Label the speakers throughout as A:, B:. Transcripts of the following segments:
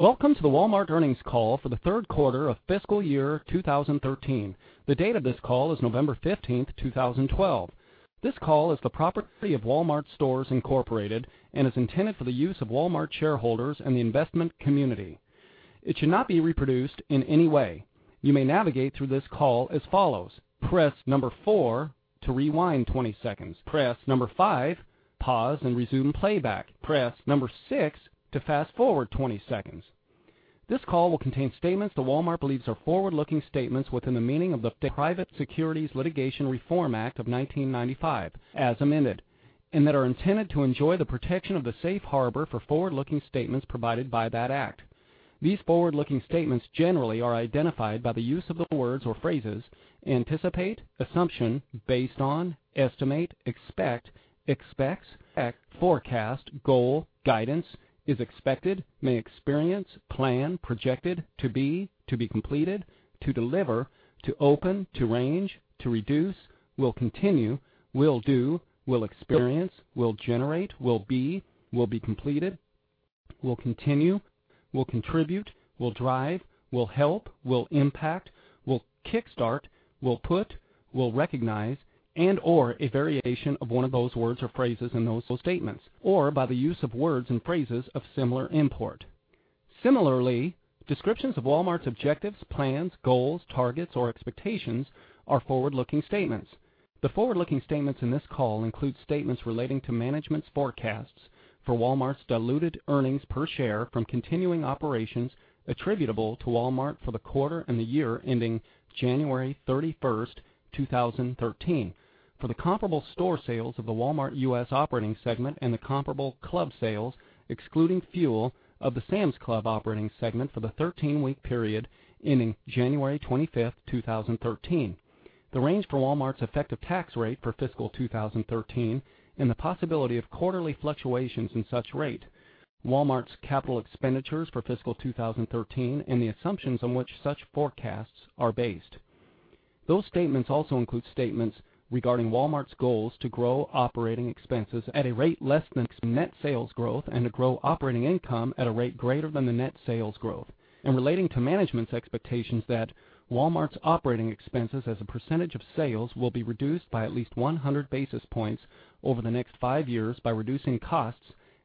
A: Welcome to the Walmart earnings call for the third quarter of fiscal year 2013. The date of this call is November 15, 2012. This call is the property of Walmart Stores, Inc. and is intended for the use of Walmart shareholders and the investment community. It should not be reproduced in any way. You may navigate through this call as follows. Press number four to rewind 20 seconds. Press number five, pause and resume playback. Press number six to fast-forward 20 seconds. This call will contain statements that Walmart believes are forward-looking statements within the meaning of the Private Securities Litigation Reform Act of 1995, as amended, and that are intended to enjoy the protection of the safe harbor for forward-looking statements provided by that act. These forward-looking statements generally are identified by the use of the words or phrases anticipate, assumption, based on, estimate, expect, expects, forecast, goal, guidance, is expected, may experience, plan, projected, to be, to be completed, to deliver, to open, to range, to reduce, will continue, will do, will experience, will generate, will be, will be completed, will continue, will contribute, will drive, will help, will impact, will kickstart, will put, will recognize, and/or a variation of one of those words or phrases in those statements, or by the use of words and phrases of similar import. Similarly, descriptions of Walmart's objectives, plans, goals, targets, or expectations are forward-looking statements. The forward-looking statements in this call include statements relating to management's forecasts for Walmart's diluted earnings per share from continuing operations attributable to Walmart for the quarter and the year ending January 31, 2013. For the comparable store sales of the Walmart U.S. operating segment and the comparable club sales, excluding fuel of the Sam's Club operating segment for the 13-week period ending January 25, 2013. The range for Walmart's effective tax rate for fiscal 2013 and the possibility of quarterly fluctuations in such rate. Walmart's capital expenditures for fiscal 2013 and the assumptions on which such forecasts are based. Those statements also include statements regarding Walmart's goals to grow operating expenses at a rate less than its net sales growth and to grow operating income at a rate greater than the net sales growth. Relating to management's expectations that Walmart's operating expenses as a percentage of sales will be reduced by at least 100 basis points over the next five years by reducing costs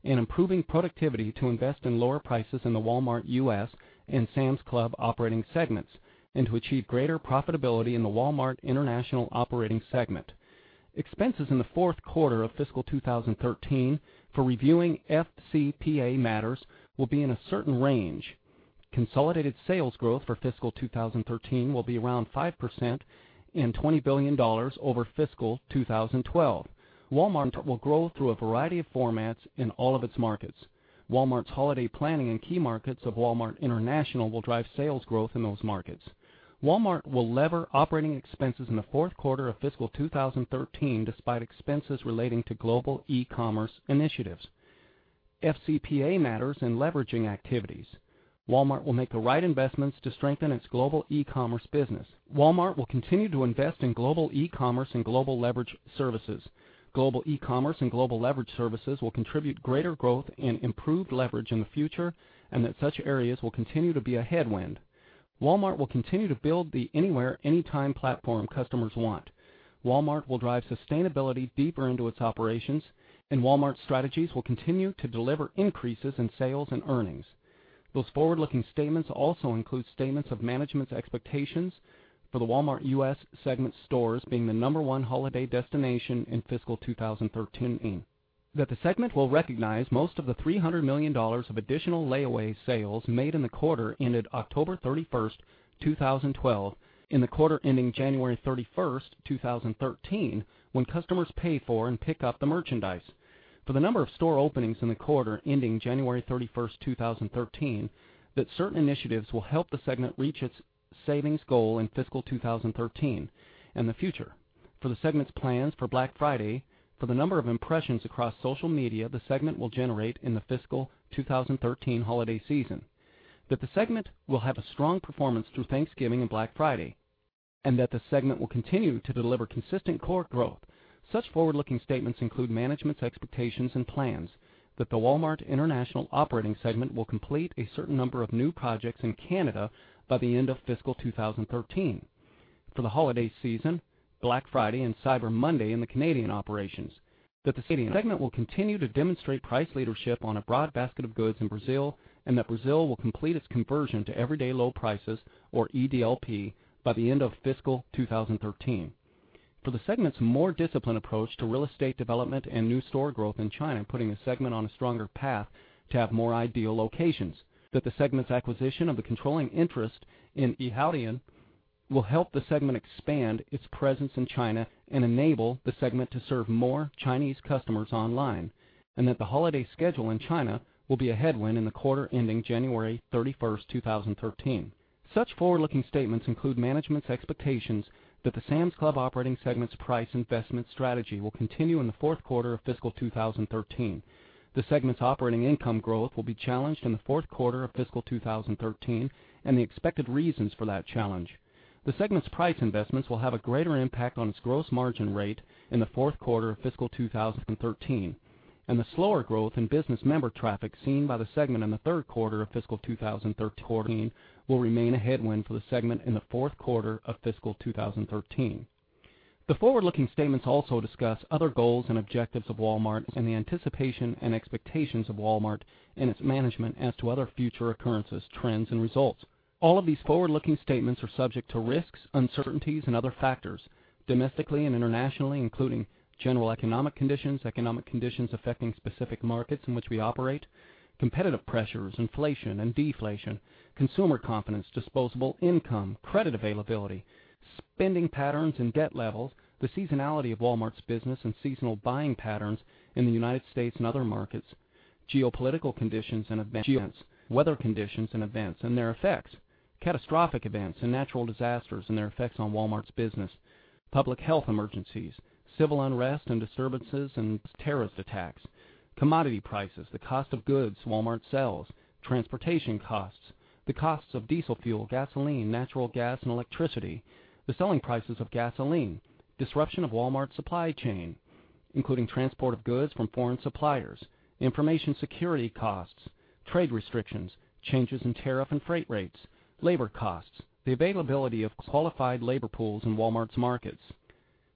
A: and improving productivity to invest in lower prices in the Walmart U.S. and Sam's Club operating segments and to achieve greater profitability in the Walmart International operating segment. Expenses in the fourth quarter of fiscal 2013 for reviewing FCPA matters will be in a certain range. Consolidated sales growth for fiscal 2013 will be around 5% and $20 billion over fiscal 2012. Walmart will grow through a variety of formats in all of its markets. Walmart's holiday planning in key markets of Walmart International will drive sales growth in those markets. Walmart will lever operating expenses in the fourth quarter of fiscal 2013 despite expenses relating to global e-commerce initiatives, FCPA matters, and leveraging activities. Walmart will make the right investments to strengthen its global e-commerce business. Walmart will continue to invest in global e-commerce and global leverage services. Global e-commerce and global leverage services will contribute greater growth and improved leverage in the future, and that such areas will continue to be a headwind. Walmart will continue to build the anywhere, anytime platform customers want. Walmart will drive sustainability deeper into its operations, and Walmart's strategies will continue to deliver increases in sales and earnings. Those forward-looking statements also include statements of management's expectations for the Walmart U.S. segment stores being the number one holiday destination in fiscal 2013. That the segment will recognize most of the $300 million of additional layaway sales made in the quarter ended October 31st, 2012, in the quarter ending January 31st, 2013, when customers pay for and pick up the merchandise. For the number of store openings in the quarter ending January 31st, 2013, that certain initiatives will help the segment reach its savings goal in fiscal 2013 and the future. For the segment's plans for Black Friday, for the number of impressions across social media the segment will generate in the fiscal 2013 holiday season, that the segment will have a strong performance through Thanksgiving and Black Friday, and that the segment will continue to deliver consistent core growth. Such forward-looking statements include management's expectations and plans that the Walmart International operating segment will complete a certain number of new projects in Canada by the end of fiscal 2013. For the holiday season, Black Friday, and Cyber Monday in the Canadian operations, that the segment will continue to demonstrate price leadership on a broad basket of goods in Brazil, and that Brazil will complete its conversion to everyday low prices or EDLP by the end of fiscal 2013. For the segment's more disciplined approach to real estate development and new store growth in China, putting the segment on a stronger path to have more ideal locations. That the segment's acquisition of the controlling interest in Yihaodian will help the segment expand its presence in China and enable the segment to serve more Chinese customers online, and that the holiday schedule in China will be a headwind in the quarter ending January 31st, 2013. Such forward-looking statements include management's expectations that the Sam's Club operating segment's price investment strategy will continue in the fourth quarter of fiscal 2013. The segment's operating income growth will be challenged in the fourth quarter of fiscal 2013 and the expected reasons for that challenge. The segment's price investments will have a greater impact on its gross margin rate in the fourth quarter of fiscal 2013, and the slower growth in business member traffic seen by the segment in the third quarter of fiscal 2013 will remain a headwind for the segment in the fourth quarter of fiscal 2013. The forward-looking statements also discuss other goals and objectives of Walmart and the anticipation and expectations of Walmart and its management as to other future occurrences, trends, and results. All of these forward-looking statements are subject to risks, uncertainties, and other factors, domestically and internationally, including general economic conditions, economic conditions affecting specific markets in which we operate, competitive pressures, inflation and deflation, consumer confidence, disposable income, credit availability, spending patterns and debt levels, the seasonality of Walmart's business and seasonal buying patterns in the U.S. and other markets, geopolitical conditions and events, weather conditions and events and their effects, catastrophic events and natural disasters and their effects on Walmart's business, public health emergencies, civil unrest and disturbances and terrorist attacks, commodity prices, the cost of goods Walmart sells, transportation costs, the costs of diesel fuel, gasoline, natural gas, and electricity, the selling prices of gasoline, disruption of Walmart's supply chain, including transport of goods from foreign suppliers, information security costs, trade restrictions, changes in tariff and freight rates, labor costs, the availability of qualified labor pools in Walmart's markets,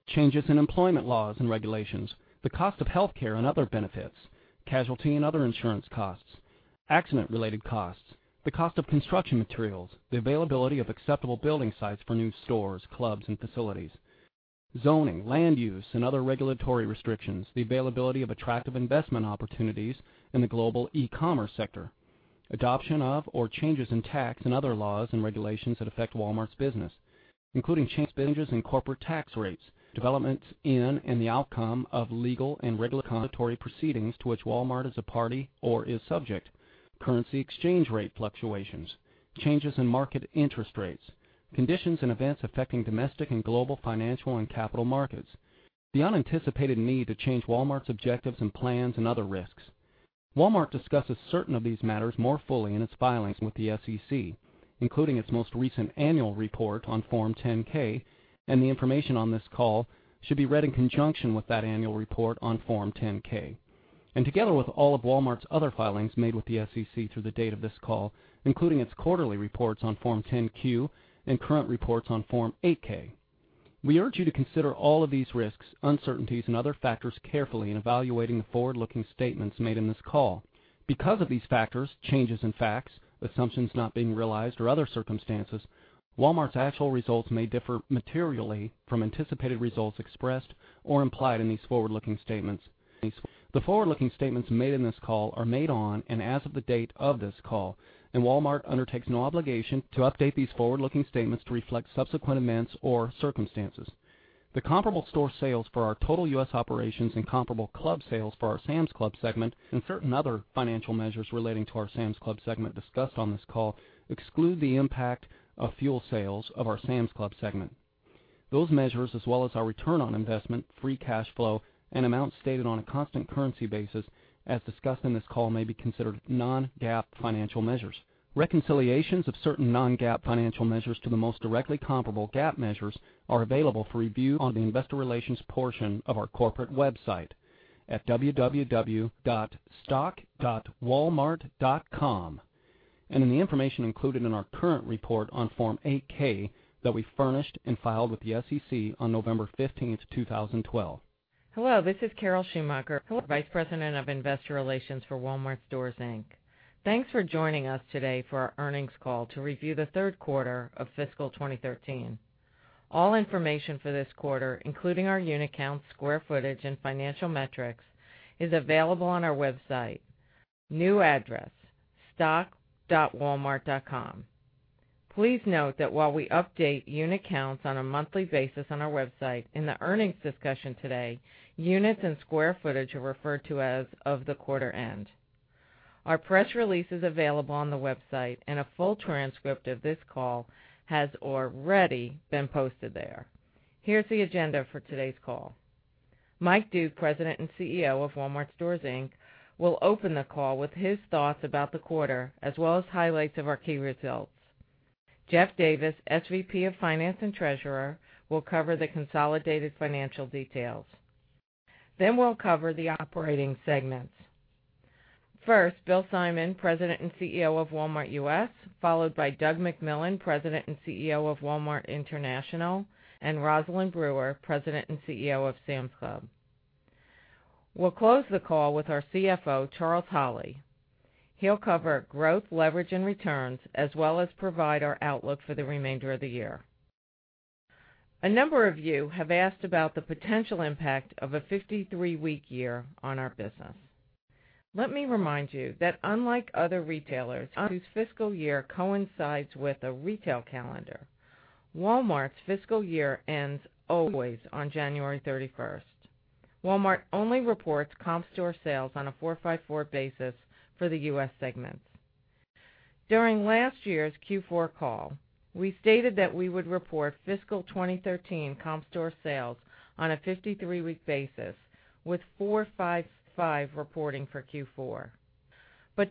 A: changes in employment laws and regulations, the cost of healthcare and other benefits, casualty and other insurance costs, accident-related costs, the cost of construction materials, the availability of acceptable building sites for new stores, clubs, and facilities, zoning, land use, and other regulatory restrictions, the availability of attractive investment opportunities in the global e-commerce sector, adoption of or changes in tax and other laws and regulations that affect Walmart's business, including changes in corporate tax rates, developments in and the outcome of legal and regulatory proceedings to which Walmart is a party or is subject, currency exchange rate fluctuations, changes in market interest rates, conditions and events affecting domestic and global financial and capital markets, the unanticipated need to change Walmart's objectives and plans and other risks. Walmart discusses certain of these matters more fully in its filings with the SEC, including its most recent annual report on Form 10-K. The information on this call should be read in conjunction with that annual report on Form 10-K. Together with all of Walmart's other filings made with the SEC through the date of this call, including its quarterly reports on Form 10-Q and current reports on Form 8-K. We urge you to consider all of these risks, uncertainties, and other factors carefully in evaluating the forward-looking statements made in this call. Because of these factors, changes in facts, assumptions not being realized, or other circumstances, Walmart's actual results may differ materially from anticipated results expressed or implied in these forward-looking statements. The forward-looking statements made in this call are made on and as of the date of this call. Walmart undertakes no obligation to update these forward-looking statements to reflect subsequent events or circumstances. The comparable store sales for our total U.S. operations and comparable club sales for our Sam's Club segment and certain other financial measures relating to our Sam's Club segment discussed on this call exclude the impact of fuel sales of our Sam's Club segment. Those measures, as well as our return on investment, free cash flow, and amounts stated on a constant currency basis as discussed in this call may be considered non-GAAP financial measures. Reconciliations of certain non-GAAP financial measures to the most directly comparable GAAP measures are available for review on the investor relations portion of our corporate website at www.stock.walmart.com and in the information included in our current report on Form 8-K that we furnished and filed with the SEC on November 15th, 2012.
B: Hello, this is Carol Schumacher, Vice President of Investor Relations for Walmart Stores, Inc. Thanks for joining us today for our earnings call to review the third quarter of fiscal 2013. All information for this quarter, including our unit counts, square footage, and financial metrics, is available on our website. New address, stock.walmart.com. Please note that while we update unit counts on a monthly basis on our website, in the earnings discussion today, units and square footage are referred to as of the quarter end. Our press release is available on the website, a full transcript of this call has already been posted there. Here's the agenda for today's call. Mike Duke, President and CEO of Walmart Stores, Inc., will open the call with his thoughts about the quarter, as well as highlights of our key results. Jeff Davis, SVP of Finance and Treasurer, will cover the consolidated financial details. We'll cover the operating segments. First, Bill Simon, President and CEO of Walmart U.S., followed by Doug McMillon, President and CEO of Walmart International, and Rosalind Brewer, President and CEO of Sam's Club. We'll close the call with our CFO, Charles Holley. He'll cover growth, leverage, and returns, as well as provide our outlook for the remainder of the year. A number of you have asked about the potential impact of a 53-week year on our business. Let me remind you that unlike other retailers whose fiscal year coincides with the retail calendar, Walmart's fiscal year ends always on January 31st. Walmart only reports comp store sales on a 4-5-4 basis for the U.S. segment. During last year's Q4 call, we stated that we would report fiscal 2013 comp store sales on a 53-week basis with 4-5-5 reporting for Q4.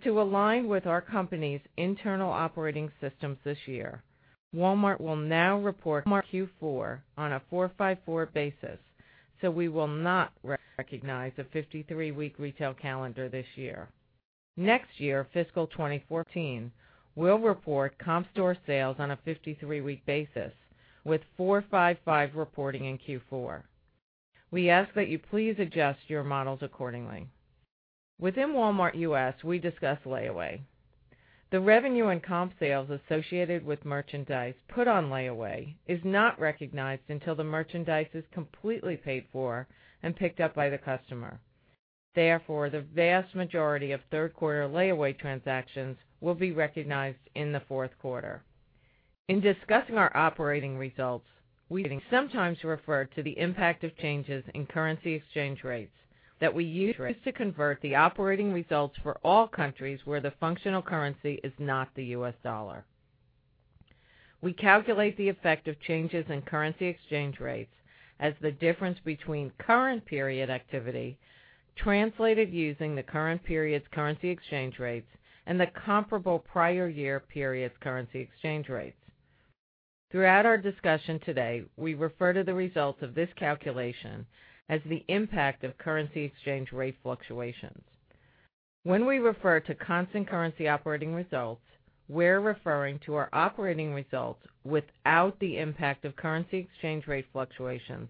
B: To align with our company's internal operating systems this year, Walmart will now report Q4 on a 4-5-4 basis, we will not recognize a 53-week retail calendar this year. Next year, fiscal 2014, we'll report comp store sales on a 53-week basis, with 4-5-5 reporting in Q4. We ask that you please adjust your models accordingly. Within Walmart U.S., we discuss layaway. The revenue and comp sales associated with merchandise put on layaway is not recognized until the merchandise is completely paid for and picked up by the customer. Therefore, the vast majority of third-quarter layaway transactions will be recognized in the fourth quarter. In discussing our operating results, we sometimes refer to the impact of changes in currency exchange rates that we use to convert the operating results for all countries where the functional currency is not the U.S. dollar. We calculate the effect of changes in currency exchange rates as the difference between current period activity translated using the current period's currency exchange rates and the comparable prior year period's currency exchange rates. Throughout our discussion today, we refer to the results of this calculation as the impact of currency exchange rate fluctuations. When we refer to constant currency operating results, we're referring to our operating results without the impact of currency exchange rate fluctuations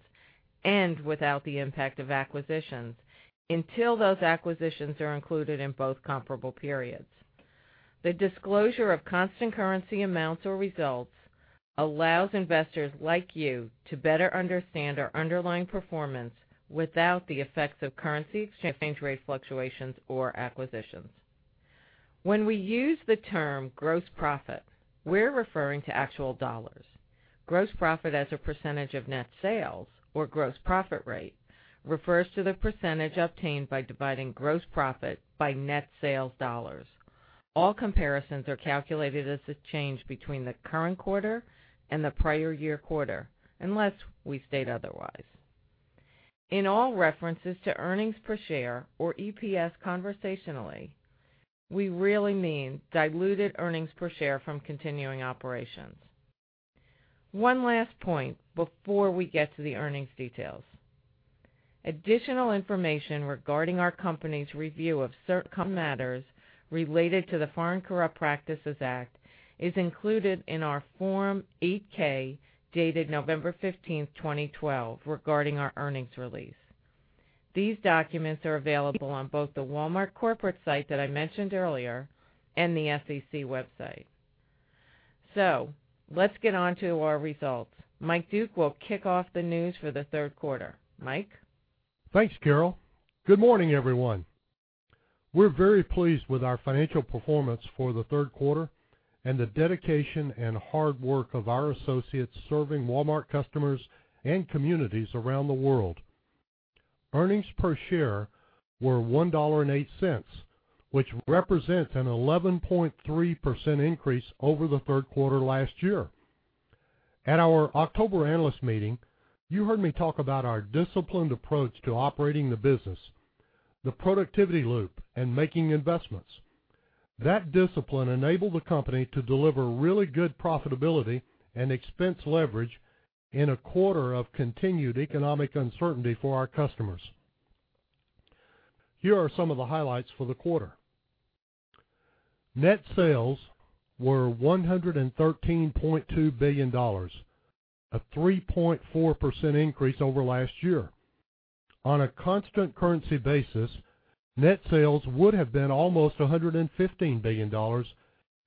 B: and without the impact of acquisitions until those acquisitions are included in both comparable periods. The disclosure of constant currency amounts or results allows investors like you to better understand our underlying performance without the effects of currency exchange rate fluctuations or acquisitions. When we use the term gross profit, we're referring to actual dollars. Gross profit as a percentage of net sales or gross profit rate refers to the percentage obtained by dividing gross profit by net sales dollars. All comparisons are calculated as the change between the current quarter and the prior year quarter, unless we state otherwise. In all references to earnings per share or EPS conversationally, we really mean diluted earnings per share from continuing operations. One last point before we get to the earnings details. Additional information regarding our company's review of certain matters related to the Foreign Corrupt Practices Act is included in our Form 8-K, dated November 15th, 2012, regarding our earnings release. These documents are available on both the Walmart corporate site that I mentioned earlier and the SEC website. Let's get onto our results. Mike Duke will kick off the news for the third quarter. Mike?
C: Thanks, Carol. Good morning, everyone. We're very pleased with our financial performance for the third quarter and the dedication and hard work of our associates serving Walmart customers and communities around the world. Earnings per share were $1.08, which represents an 11.3% increase over the third quarter last year. At our October analyst meeting, you heard me talk about our disciplined approach to operating the business, the productivity loop, and making investments. That discipline enabled the company to deliver really good profitability and expense leverage in a quarter of continued economic uncertainty for our customers. Here are some of the highlights for the quarter. Net sales were $113.2 billion, a 3.4% increase over last year. On a constant currency basis, net sales would have been almost $115 billion,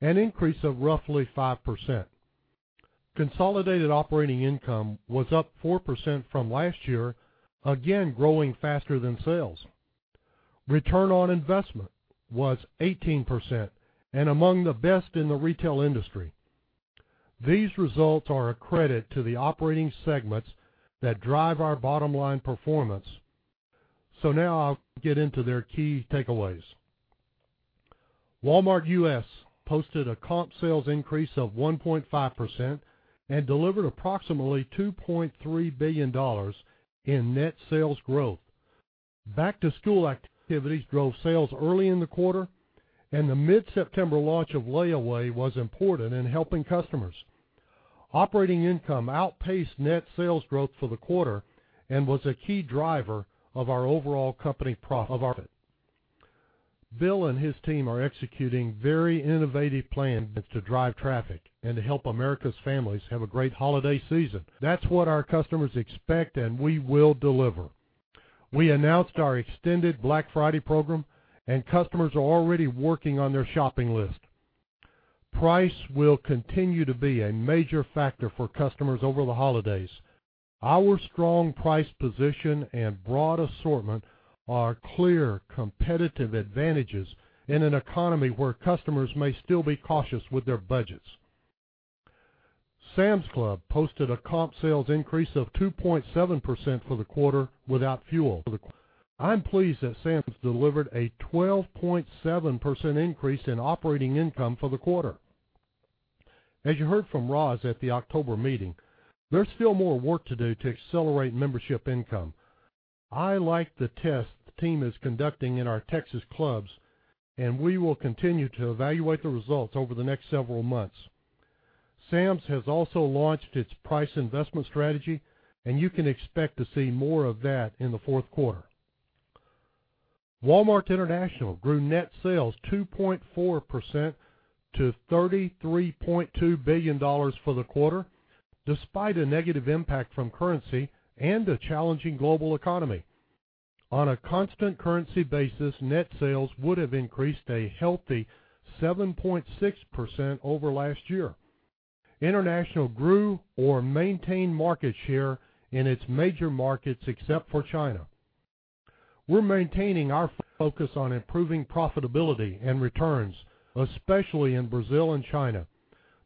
C: an increase of roughly 5%. Consolidated operating income was up 4% from last year, again growing faster than sales. Return on investment was 18% and among the best in the retail industry. These results are a credit to the operating segments that drive our bottom-line performance. Now I'll get into their key takeaways. Walmart U.S. posted a comp sales increase of 1.5% and delivered approximately $2.3 billion in net sales growth. Back-to-school activities drove sales early in the quarter, and the mid-September launch of layaway was important in helping customers. Operating income outpaced net sales growth for the quarter and was a key driver of our overall company profit. Bill and his team are executing very innovative plans to drive traffic and to help America's families have a great holiday season. That's what our customers expect, and we will deliver. We announced our extended Black Friday program, and customers are already working on their shopping list. Price will continue to be a major factor for customers over the holidays. Our strong price position and broad assortment are clear competitive advantages in an economy where customers may still be cautious with their budgets. Sam's Club posted a comp sales increase of 2.7% for the quarter without fuel. I'm pleased that Sam's delivered a 12.7% increase in operating income for the quarter. As you heard from Roz at the October meeting, there's still more work to do to accelerate membership income. I like the test the team is conducting in our Texas clubs, and we will continue to evaluate the results over the next several months. Sam's has also launched its price investment strategy, and you can expect to see more of that in the fourth quarter. Walmart International grew net sales 2.4% to $33.2 billion for the quarter, despite a negative impact from currency and a challenging global economy. On a constant currency basis, net sales would have increased a healthy 7.6% over last year. International grew or maintained market share in its major markets except for China. We're maintaining our focus on improving profitability and returns, especially in Brazil and China.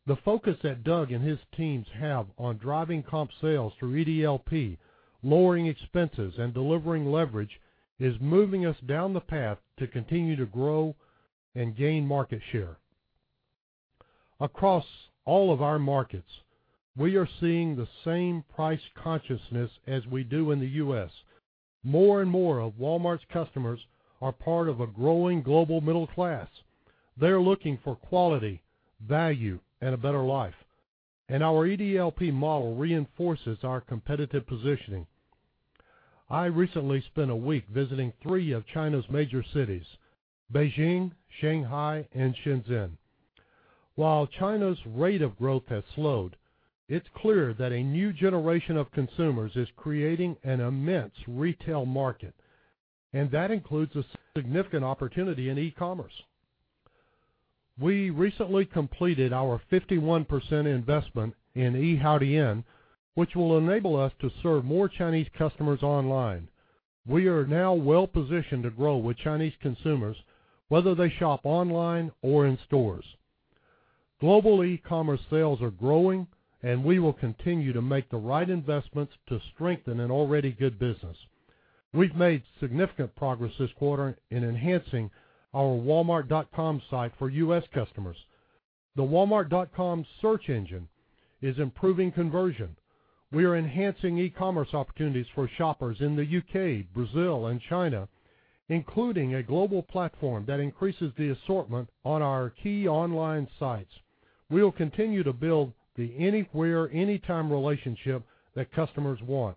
C: The focus that Doug and his teams have on driving comp sales through EDLP, lowering expenses, and delivering leverage is moving us down the path to continue to grow and gain market share. Across all of our markets, we are seeing the same price consciousness as we do in the U.S. More and more of Walmart's customers are part of a growing global middle class. They're looking for quality, value, and a better life, our EDLP model reinforces our competitive positioning. I recently spent a week visiting three of China's major cities, Beijing, Shanghai, and Shenzhen. While China's rate of growth has slowed, it's clear that a new generation of consumers is creating an immense retail market, that includes a significant opportunity in e-commerce. We recently completed our 51% investment in Yihaodian, which will enable us to serve more Chinese customers online. We are now well-positioned to grow with Chinese consumers, whether they shop online or in stores. Global e-commerce sales are growing, we will continue to make the right investments to strengthen an already good business. We've made significant progress this quarter in enhancing our walmart.com site for U.S. customers. The walmart.com search engine is improving conversion. We are enhancing e-commerce opportunities for shoppers in the U.K., Brazil, and China, including a global platform that increases the assortment on our key online sites. We'll continue to build the anywhere, anytime relationship that customers want,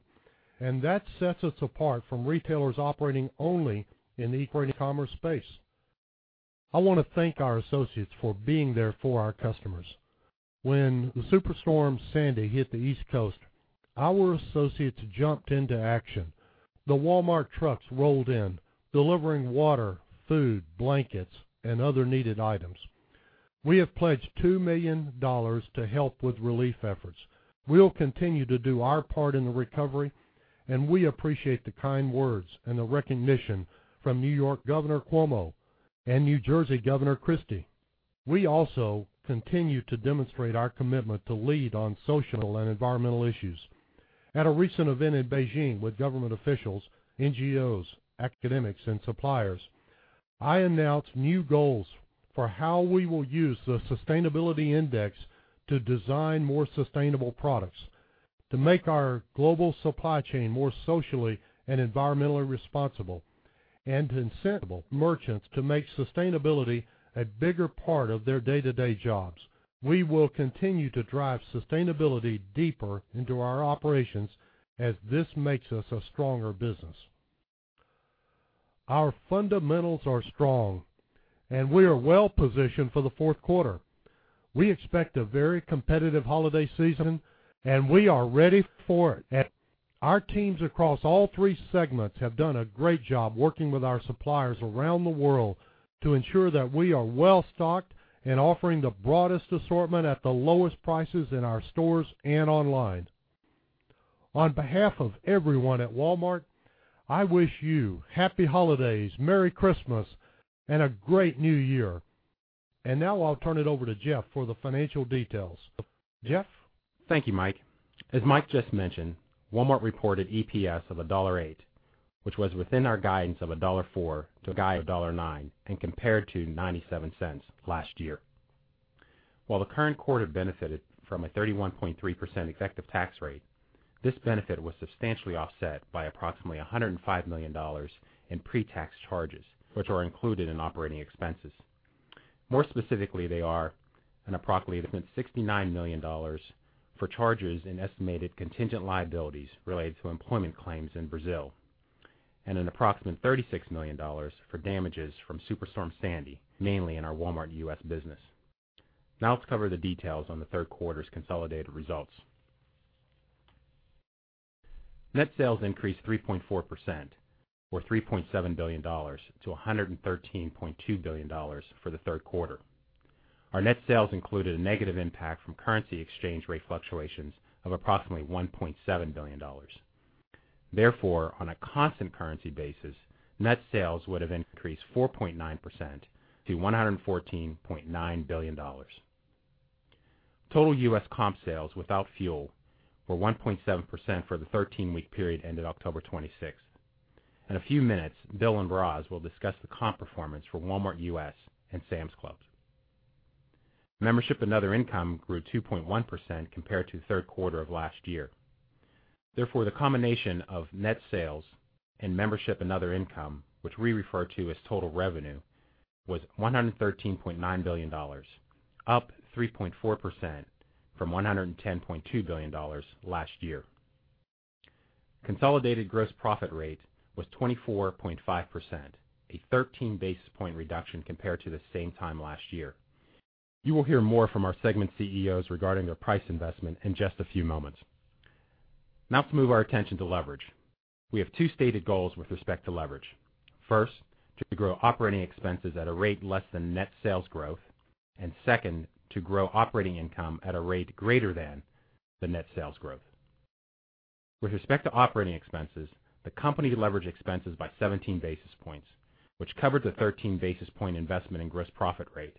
C: that sets us apart from retailers operating only in the e-commerce space. I want to thank our associates for being there for our customers. When the Superstorm Sandy hit the East Coast, our associates jumped into action. The Walmart trucks rolled in, delivering water, food, blankets, and other needed items. We have pledged $2 million to help with relief efforts. We'll continue to do our part in the recovery, we appreciate the kind words and the recognition from New York Governor Cuomo and New Jersey Governor Christie. We also continue to demonstrate our commitment to lead on social and environmental issues. At a recent event in Beijing with government officials, NGOs, academics, and suppliers, I announced new goals for how we will use the Sustainability Index to design more sustainable products, to make our global supply chain more socially and environmentally responsible, and to incent merchants to make sustainability a bigger part of their day-to-day jobs. We will continue to drive sustainability deeper into our operations, as this makes us a stronger business. Our fundamentals are strong, and we are well-positioned for the fourth quarter. We expect a very competitive holiday season, and we are ready for it. Our teams across all three segments have done a great job working with our suppliers around the world to ensure that we are well-stocked and offering the broadest assortment at the lowest prices in our stores and online. On behalf of everyone at Walmart, I wish you happy holidays, merry Christmas, and a great new year. Now I'll turn it over to Jeff for the financial details. Jeff?
D: Thank you, Mike. As Mike just mentioned, Walmart reported EPS of $1.08, which was within our guidance of $1.04 to a guide of $1.09 and compared to $0.97 last year. While the current quarter benefited from a 31.3% effective tax rate, this benefit was substantially offset by approximately $105 million in pre-tax charges, which are included in operating expenses. More specifically, they are an approximate $69 million for charges in estimated contingent liabilities related to employment claims in Brazil, and an approximate $36 million for damages from Superstorm Sandy, mainly in our Walmart U.S. business. Now let's cover the details on the third quarter's consolidated results. Net sales increased 3.4%, or $3.7 billion, to $113.2 billion for the third quarter. Our net sales included a negative impact from currency exchange rate fluctuations of approximately $1.7 billion. On a constant currency basis, net sales would have increased 4.9% to $114.9 billion. Total U.S. comp sales, without fuel, were 1.7% for the 13-week period ended October 26th. In a few minutes, Bill and Roz will discuss the comp performance for Walmart U.S. and Sam's Club. Membership and other income grew 2.1% compared to the third quarter of last year. The combination of net sales and membership and other income, which we refer to as total revenue, was $113.9 billion, up 3.4% from $110.2 billion last year. Consolidated gross profit rate was 24.5%, a 13-basis-point reduction compared to the same time last year. You will hear more from our segment CEOs regarding their price investment in just a few moments. Now let's move our attention to leverage. We have two stated goals with respect to leverage. First, to grow operating expenses at a rate less than net sales growth, and second, to grow operating income at a rate greater than the net sales growth. With respect to operating expenses, the company leveraged expenses by 17 basis points, which covered the 13-basis-point investment in gross profit rate.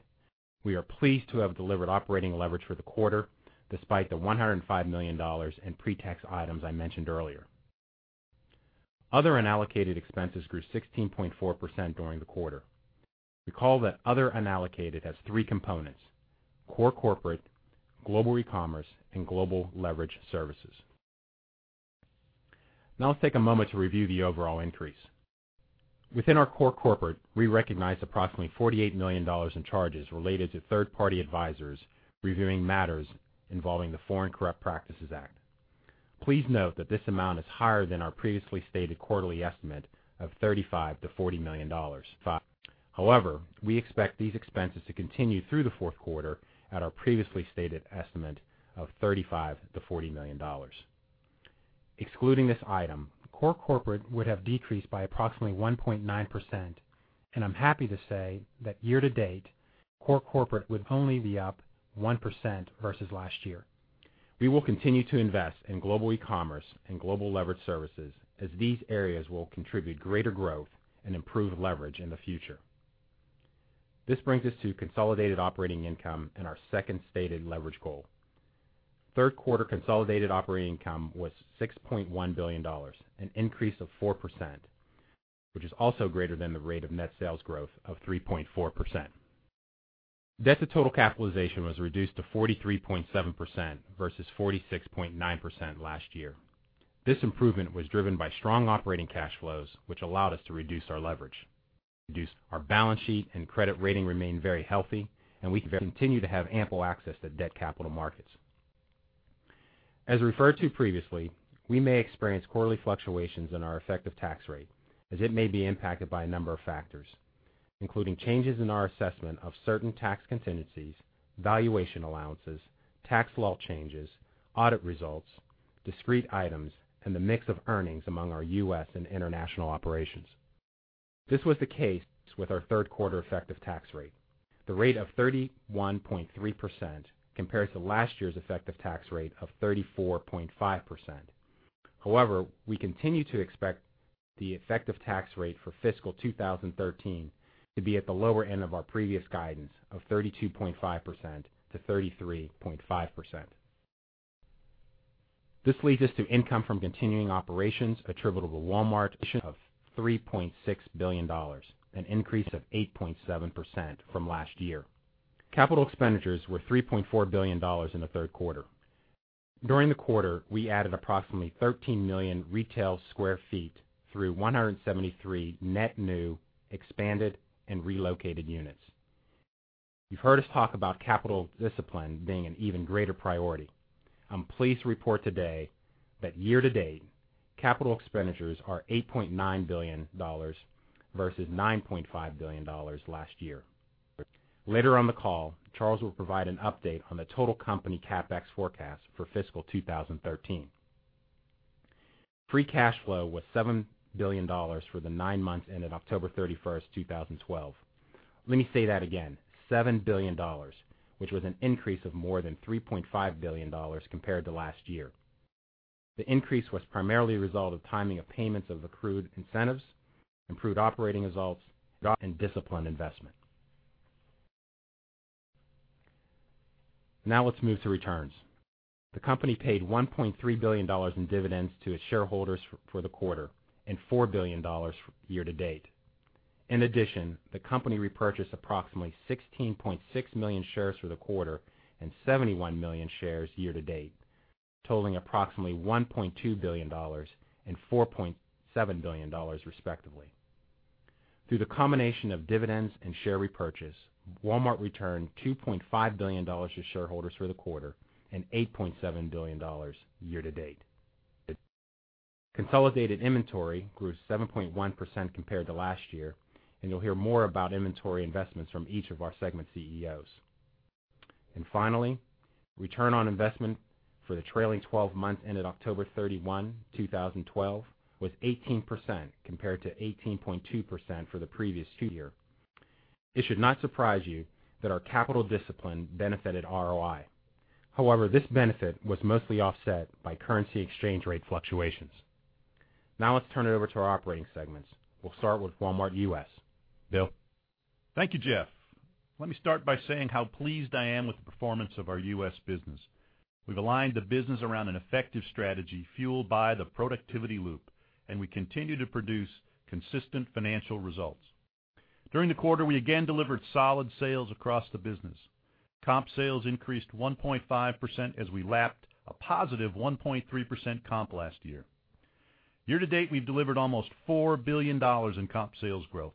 D: We are pleased to have delivered operating leverage for the quarter, despite the $105 million in pre-tax items I mentioned earlier. Other unallocated expenses grew 16.4% during the quarter. Recall that other unallocated has three components, core corporate, global e-commerce, and global leverage services. Now let's take a moment to review the overall increase. Within our core corporate, we recognized approximately $48 million in charges related to third-party advisors reviewing matters involving the Foreign Corrupt Practices Act. Please note that this amount is higher than our previously stated quarterly estimate of $35 million to $40 million. However, we expect these expenses to continue through the fourth quarter at our previously stated estimate of $35 million to $40 million. Excluding this item, core corporate would have decreased by approximately 1.9%, and I'm happy to say that year-to-date, core corporate would only be up 1% versus last year. We will continue to invest in global e-commerce and global leverage services as these areas will contribute greater growth and improve leverage in the future. This brings us to consolidated operating income and our second stated leverage goal. Third-quarter consolidated operating income was $6.1 billion, an increase of 4%, which is also greater than the rate of net sales growth of 3.4%. Debt-to-total capitalization was reduced to 43.7% versus 46.9% last year. This improvement was driven by strong operating cash flows, which allowed us to reduce our leverage. Our balance sheet and credit rating remain very healthy, and we continue to have ample access to debt capital markets. As referred to previously, we may experience quarterly fluctuations in our effective tax rate, as it may be impacted by a number of factors, including changes in our assessment of certain tax contingencies, valuation allowances, tax law changes, audit results, discrete items, and the mix of earnings among our U.S. and international operations. This was the case with our third-quarter effective tax rate. The rate of 31.3% compares to last year's effective tax rate of 34.5%. However, we continue to expect the effective tax rate for fiscal 2013 to be at the lower end of our previous guidance of 32.5%-33.5%. This leads us to income from continuing operations attributable to Walmart of $3.6 billion, an increase of 8.7% from last year. Capital expenditures were $3.4 billion in the third quarter. During the quarter, we added approximately 13 million retail sq ft through 173 net new, expanded, and relocated units. You've heard us talk about capital discipline being an even greater priority. I'm pleased to report today that year-to-date, capital expenditures are $8.9 billion versus $9.5 billion last year. Later on the call, Charles will provide an update on the total company CapEx forecast for fiscal 2013. Free cash flow was $7 billion for the nine months ended October 31st, 2012. Let me say that again, $7 billion, which was an increase of more than $3.5 billion compared to last year. The increase was primarily a result of timing of payments of accrued incentives, improved operating results, and disciplined investment. Now let's move to returns. The company paid $1.3 billion in dividends to its shareholders for the quarter and $4 billion year-to-date. In addition, the company repurchased approximately 16.6 million shares for the quarter and 71 million shares year-to-date, totaling approximately $1.2 billion and $4.7 billion, respectively. Through the combination of dividends and share repurchase, Walmart returned $2.5 billion to shareholders for the quarter and $8.7 billion year-to-date. Consolidated inventory grew 7.1% compared to last year. You'll hear more about inventory investments from each of our segment CEOs. Finally, return on investment for the trailing 12 months ended October 31, 2012, was 18% compared to 18.2% for the previous two year. It should not surprise you that our capital discipline benefited ROI. However, this benefit was mostly offset by currency exchange rate fluctuations. Now let's turn it over to our operating segments. We'll start with Walmart U.S. Bill?
E: Thank you, Jeff. Let me start by saying how pleased I am with the performance of our U.S. business. We've aligned the business around an effective strategy fueled by the productivity loop, and we continue to produce consistent financial results. During the quarter, we again delivered solid sales across the business. Comp sales increased 1.5% as we lapped a positive 1.3% comp last year. Year-to-date, we've delivered almost $4 billion in comp sales growth.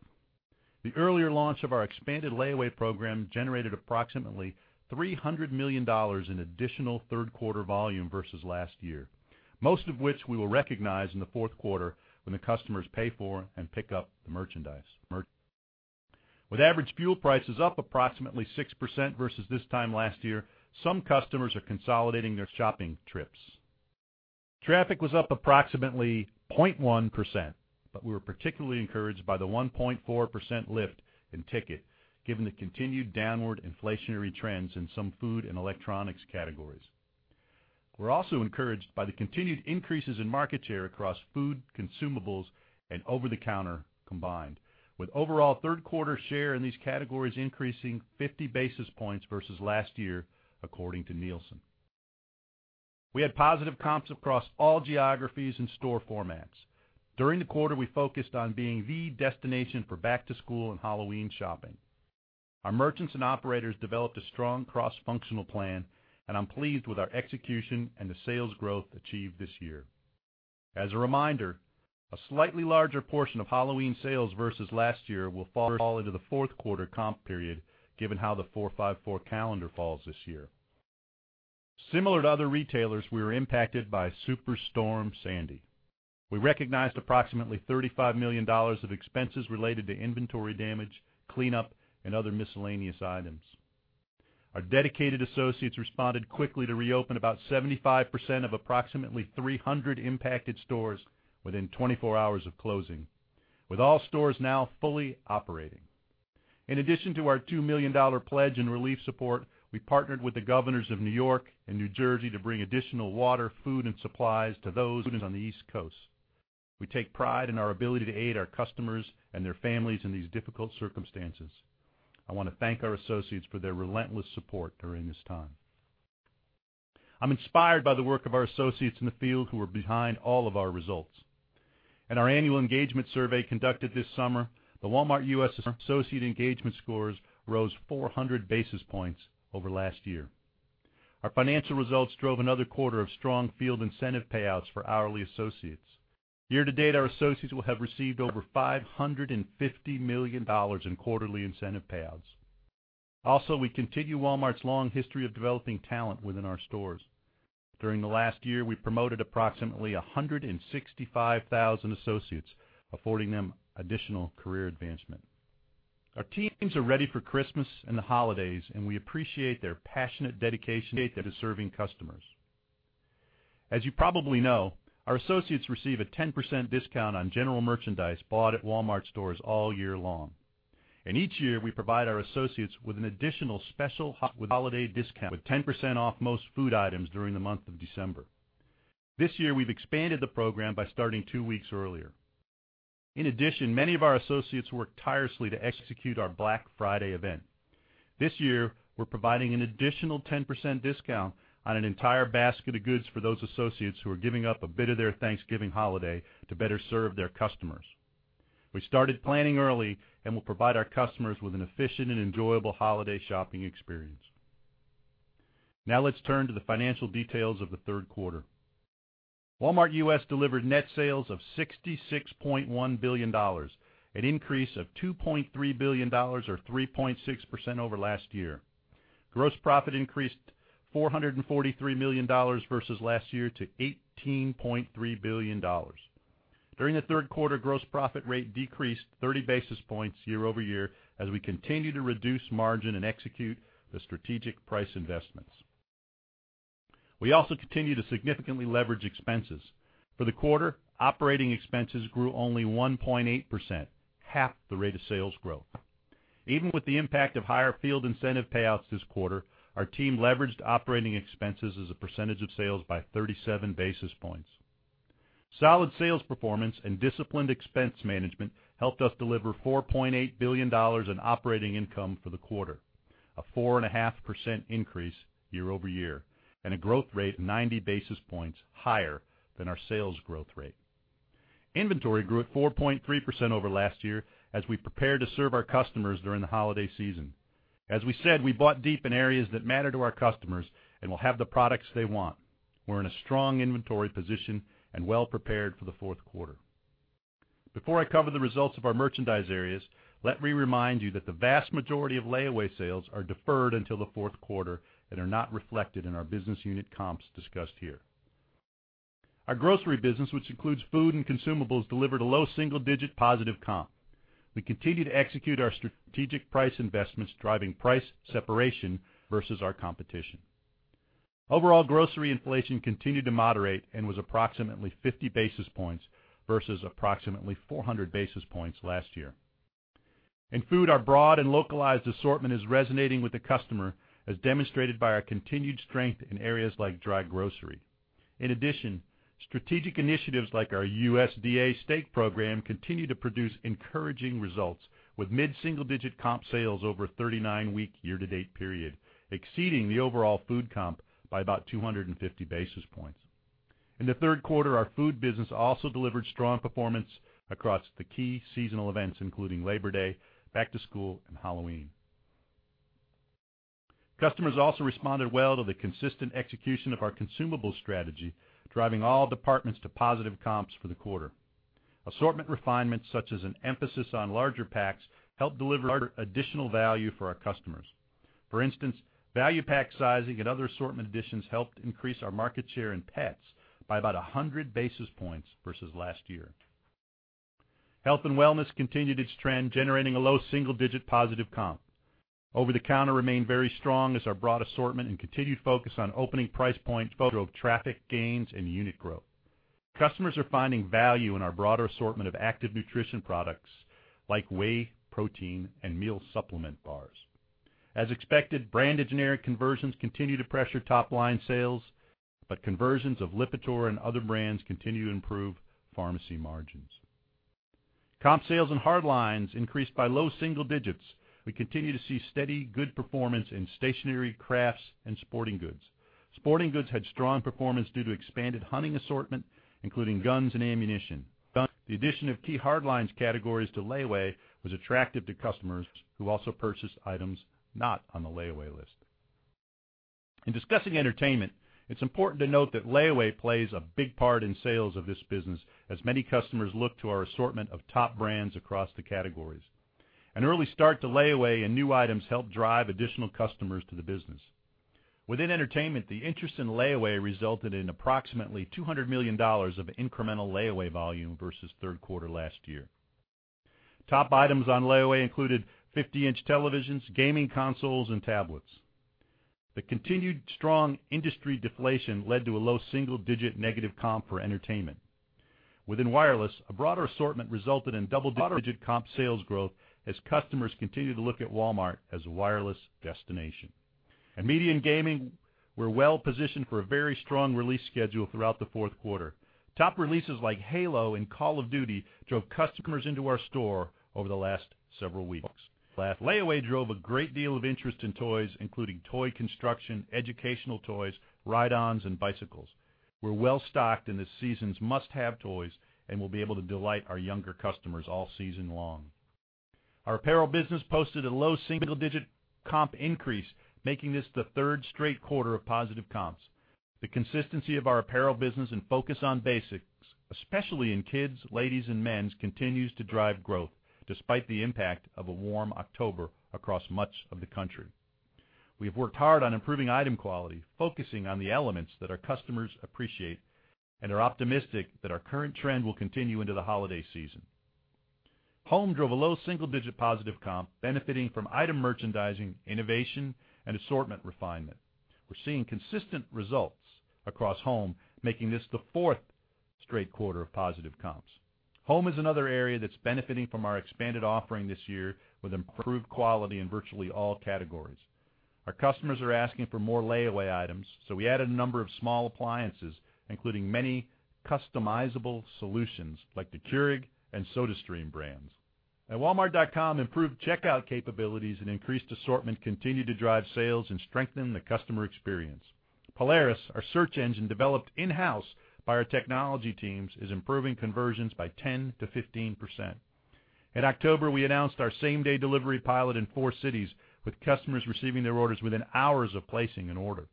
E: The earlier launch of our expanded layaway program generated approximately $300 million in additional third-quarter volume versus last year, most of which we will recognize in the fourth quarter when the customers pay for and pick up the merchandise. With average fuel prices up approximately 6% versus this time last year, some customers are consolidating their shopping trips. Traffic was up approximately 0.1%. We were particularly encouraged by the 1.4% lift in ticket, given the continued downward inflationary trends in some food and electronics categories. We're also encouraged by the continued increases in market share across food, consumables, and over-the-counter combined, with overall third-quarter share in these categories increasing 50 basis points versus last year, according to Nielsen. We had positive comps across all geographies and store formats. During the quarter, we focused on being the destination for back-to-school and Halloween shopping. Our merchants and operators developed a strong cross-functional plan. I'm pleased with our execution and the sales growth achieved this year. As a reminder, a slightly larger portion of Halloween sales versus last year will fall into the fourth quarter comp period, given how the four-five-four calendar falls this year. Similar to other retailers, we were impacted by Superstorm Sandy. We recognized approximately $35 million of expenses related to inventory damage, cleanup, and other miscellaneous items. Our dedicated associates responded quickly to reopen about 75% of approximately 300 impacted stores within 24 hours of closing, with all stores now fully operating. In addition to our $2 million pledge in relief support, we partnered with the governors of New York and New Jersey to bring additional water, food, and supplies to those on the East Coast. We take pride in our ability to aid our customers and their families in these difficult circumstances. I want to thank our associates for their relentless support during this time. I'm inspired by the work of our associates in the field who are behind all of our results. In our annual engagement survey conducted this summer, the Walmart U.S. associate engagement scores rose 400 basis points over last year. Our financial results drove another quarter of strong field incentive payouts for hourly associates. Year-to-date, our associates will have received over $550 million in quarterly incentive payouts. Also, we continue Walmart's long history of developing talent within our stores. During the last year, we promoted approximately 165,000 associates, affording them additional career advancement. Our teams are ready for Christmas and the holidays, and we appreciate their passionate dedication to serving customers. As you probably know, our associates receive a 10% discount on general merchandise bought at Walmart stores all year long. Each year, we provide our associates with an additional special holiday discount with 10% off most food items during the month of December. This year, we've expanded the program by starting two weeks earlier. In addition, many of our associates work tirelessly to execute our Black Friday event. This year, we're providing an additional 10% discount on an entire basket of goods for those associates who are giving up a bit of their Thanksgiving holiday to better serve their customers. We started planning early and will provide our customers with an efficient and enjoyable holiday shopping experience. Now let's turn to the financial details of the third quarter. Walmart U.S. delivered net sales of $66.1 billion, an increase of $2.3 billion or 3.6% over last year. Gross profit increased $443 million versus last year to $18.3 billion. During the third quarter, gross profit rate decreased 30 basis points year-over-year as we continue to reduce margin and execute the strategic price investments. We also continue to significantly leverage expenses. For the quarter, operating expenses grew only 1.8%, half the rate of sales growth. Even with the impact of higher field incentive payouts this quarter, our team leveraged operating expenses as a percentage of sales by 37 basis points. Solid sales performance and disciplined expense management helped us deliver $4.8 billion in operating income for the quarter, a 4.5% increase year-over-year, and a growth rate 90 basis points higher than our sales growth rate. Inventory grew at 4.3% over last year as we prepare to serve our customers during the holiday season. As we said, we bought deep in areas that matter to our customers and will have the products they want. We're in a strong inventory position and well prepared for the fourth quarter. Before I cover the results of our merchandise areas, let me remind you that the vast majority of layaway sales are deferred until the fourth quarter and are not reflected in our business unit comps discussed here. Our grocery business, which includes food and consumables, delivered a low single-digit positive comp. We continue to execute our strategic price investments, driving price separation versus our competition. Overall grocery inflation continued to moderate and was approximately 50 basis points versus approximately 400 basis points last year. In food, our broad and localized assortment is resonating with the customer, as demonstrated by our continued strength in areas like dry grocery. In addition, strategic initiatives like our USDA steak program continue to produce encouraging results with mid-single-digit comp sales over a 39-week year-to-date period, exceeding the overall food comp by about 250 basis points. In the third quarter, our food business also delivered strong performance across the key seasonal events, including Labor Day, back to school, and Halloween. Customers also responded well to the consistent execution of our consumable strategy, driving all departments to positive comps for the quarter. Assortment refinements such as an emphasis on larger packs helped deliver additional value for our customers. For instance, value pack sizing and other assortment additions helped increase our market share in pets by about 100 basis points versus last year. Health and wellness continued its trend, generating a low single-digit positive comp. Over-the-counter remained very strong as our broad assortment and continued focus on opening price points drove traffic gains and unit growth. Customers are finding value in our broader assortment of active nutrition products like whey protein and meal supplement bars. As expected, brand engineering conversions continue to pressure top-line sales, but conversions of Lipitor and other brands continue to improve pharmacy margins. Comp sales and hard lines increased by low single digits. We continue to see steady, good performance in stationery, crafts, and sporting goods. Sporting goods had strong performance due to expanded hunting assortment, including guns and ammunition. The addition of key hard lines categories to layaway was attractive to customers who also purchased items not on the layaway list. In discussing entertainment, it's important to note that layaway plays a big part in sales of this business, as many customers look to our assortment of top brands across the categories. An early start to layaway and new items helped drive additional customers to the business. Within entertainment, the interest in layaway resulted in approximately $200 million of incremental layaway volume versus third quarter last year. Top items on layaway included 50-inch televisions, gaming consoles, and tablets. The continued strong industry deflation led to a low single-digit negative comp for entertainment. Within wireless, a broader assortment resulted in double-digit comp sales growth as customers continue to look at Walmart as a wireless destination. Media and gaming were well-positioned for a very strong release schedule throughout the fourth quarter. Top releases like Halo and Call of Duty drove customers into our store over the last several weeks. Layaway drove a great deal of interest in toys, including toy construction, educational toys, ride-ons, and bicycles. We're well-stocked in this season's must-have toys and will be able to delight our younger customers all season long. Our apparel business posted a low single-digit comp increase, making this the third straight quarter of positive comps. The consistency of our apparel business and focus on basics, especially in kids, ladies, and men's, continues to drive growth despite the impact of a warm October across much of the country. We have worked hard on improving item quality, focusing on the elements that our customers appreciate and are optimistic that our current trend will continue into the holiday season. Home drove a low single-digit positive comp benefiting from item merchandising, innovation, and assortment refinement. We're seeing consistent results across home, making this the fourth straight quarter of positive comps. Home is another area that's benefiting from our expanded offering this year with improved quality in virtually all categories. Our customers are asking for more layaway items, so we added a number of small appliances, including many customizable solutions like the Keurig and SodaStream brands. At walmart.com, improved checkout capabilities and increased assortment continue to drive sales and strengthen the customer experience. Polaris, our search engine developed in-house by our technology teams, is improving conversions by 10%-15%. In October, we announced our same-day delivery pilot in four cities, with customers receiving their orders within hours of placing an order.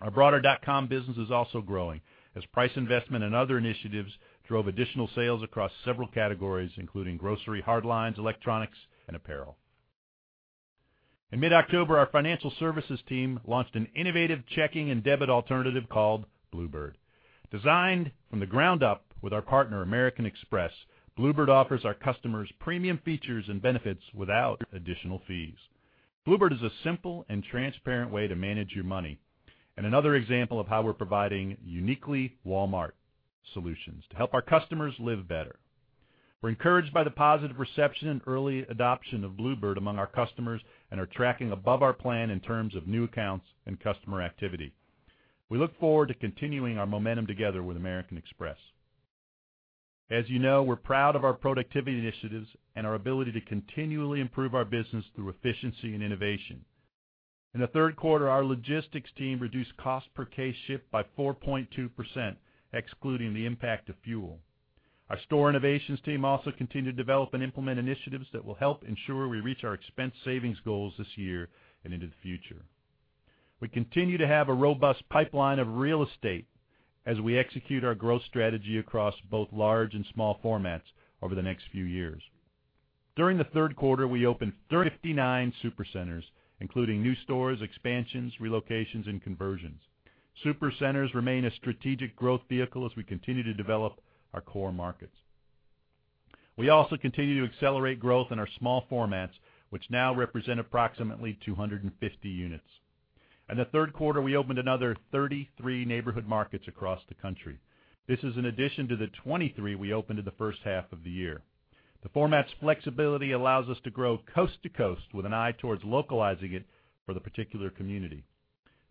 E: Our broader .com business is also growing as price investment and other initiatives drove additional sales across several categories, including grocery, hard lines, electronics, and apparel. In mid-October, our financial services team launched an innovative checking and debit alternative called Bluebird. Designed from the ground up with our partner, American Express, Bluebird offers our customers premium features and benefits without additional fees. Bluebird is a simple and transparent way to manage your money and another example of how we're providing uniquely Walmart solutions to help our customers live better. We're encouraged by the positive reception and early adoption of Bluebird among our customers and are tracking above our plan in terms of new accounts and customer activity. We look forward to continuing our momentum together with American Express. As you know, we're proud of our productivity initiatives and our ability to continually improve our business through efficiency and innovation. In the third quarter, our logistics team reduced cost per case shipped by 4.2%, excluding the impact of fuel. Our store innovations team also continued to develop and implement initiatives that will help ensure we reach our expense savings goals this year and into the future. We continue to have a robust pipeline of real estate as we execute our growth strategy across both large and small formats over the next few years. During the third quarter, we opened 39 Supercenters, including new stores, expansions, relocations, and conversions. Supercenters remain a strategic growth vehicle as we continue to develop our core markets. We also continue to accelerate growth in our small formats, which now represent approximately 250 units. In the third quarter, we opened another 33 Neighborhood Markets across the country. This is in addition to the 23 we opened in the first half of the year. The format's flexibility allows us to grow coast to coast with an eye towards localizing it for the particular community.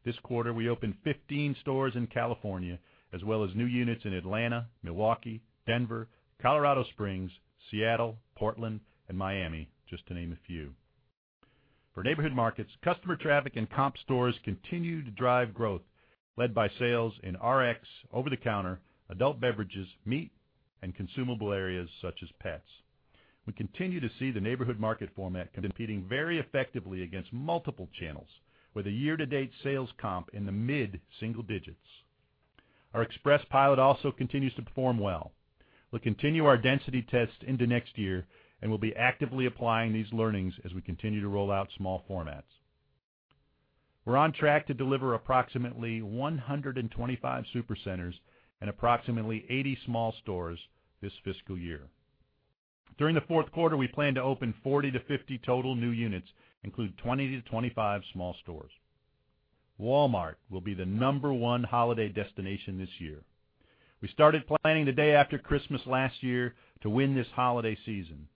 E: This quarter, we opened 15 stores in California as well as new units in Atlanta, Milwaukee, Denver, Colorado Springs, Seattle, Portland, and Miami, just to name a few. For Neighborhood Markets, customer traffic and comp stores continue to drive growth led by sales in Rx, over-the-counter, adult beverages, meat, and consumable areas such as pets. We continue to see the neighborhood market format competing very effectively against multiple channels with a year-to-date sales comp in the mid-single digits. Our express pilot also continues to perform well. We'll continue our density tests into next year, and we'll be actively applying these learnings as we continue to roll out small formats. We're on track to deliver approximately 125 Supercenters and approximately 80 small stores this fiscal year. During the fourth quarter, we plan to open 40-50 total new units, including 20-25 small stores. Walmart will be the number one holiday destination this year. We started planning the day after Christmas last year to win this holiday season.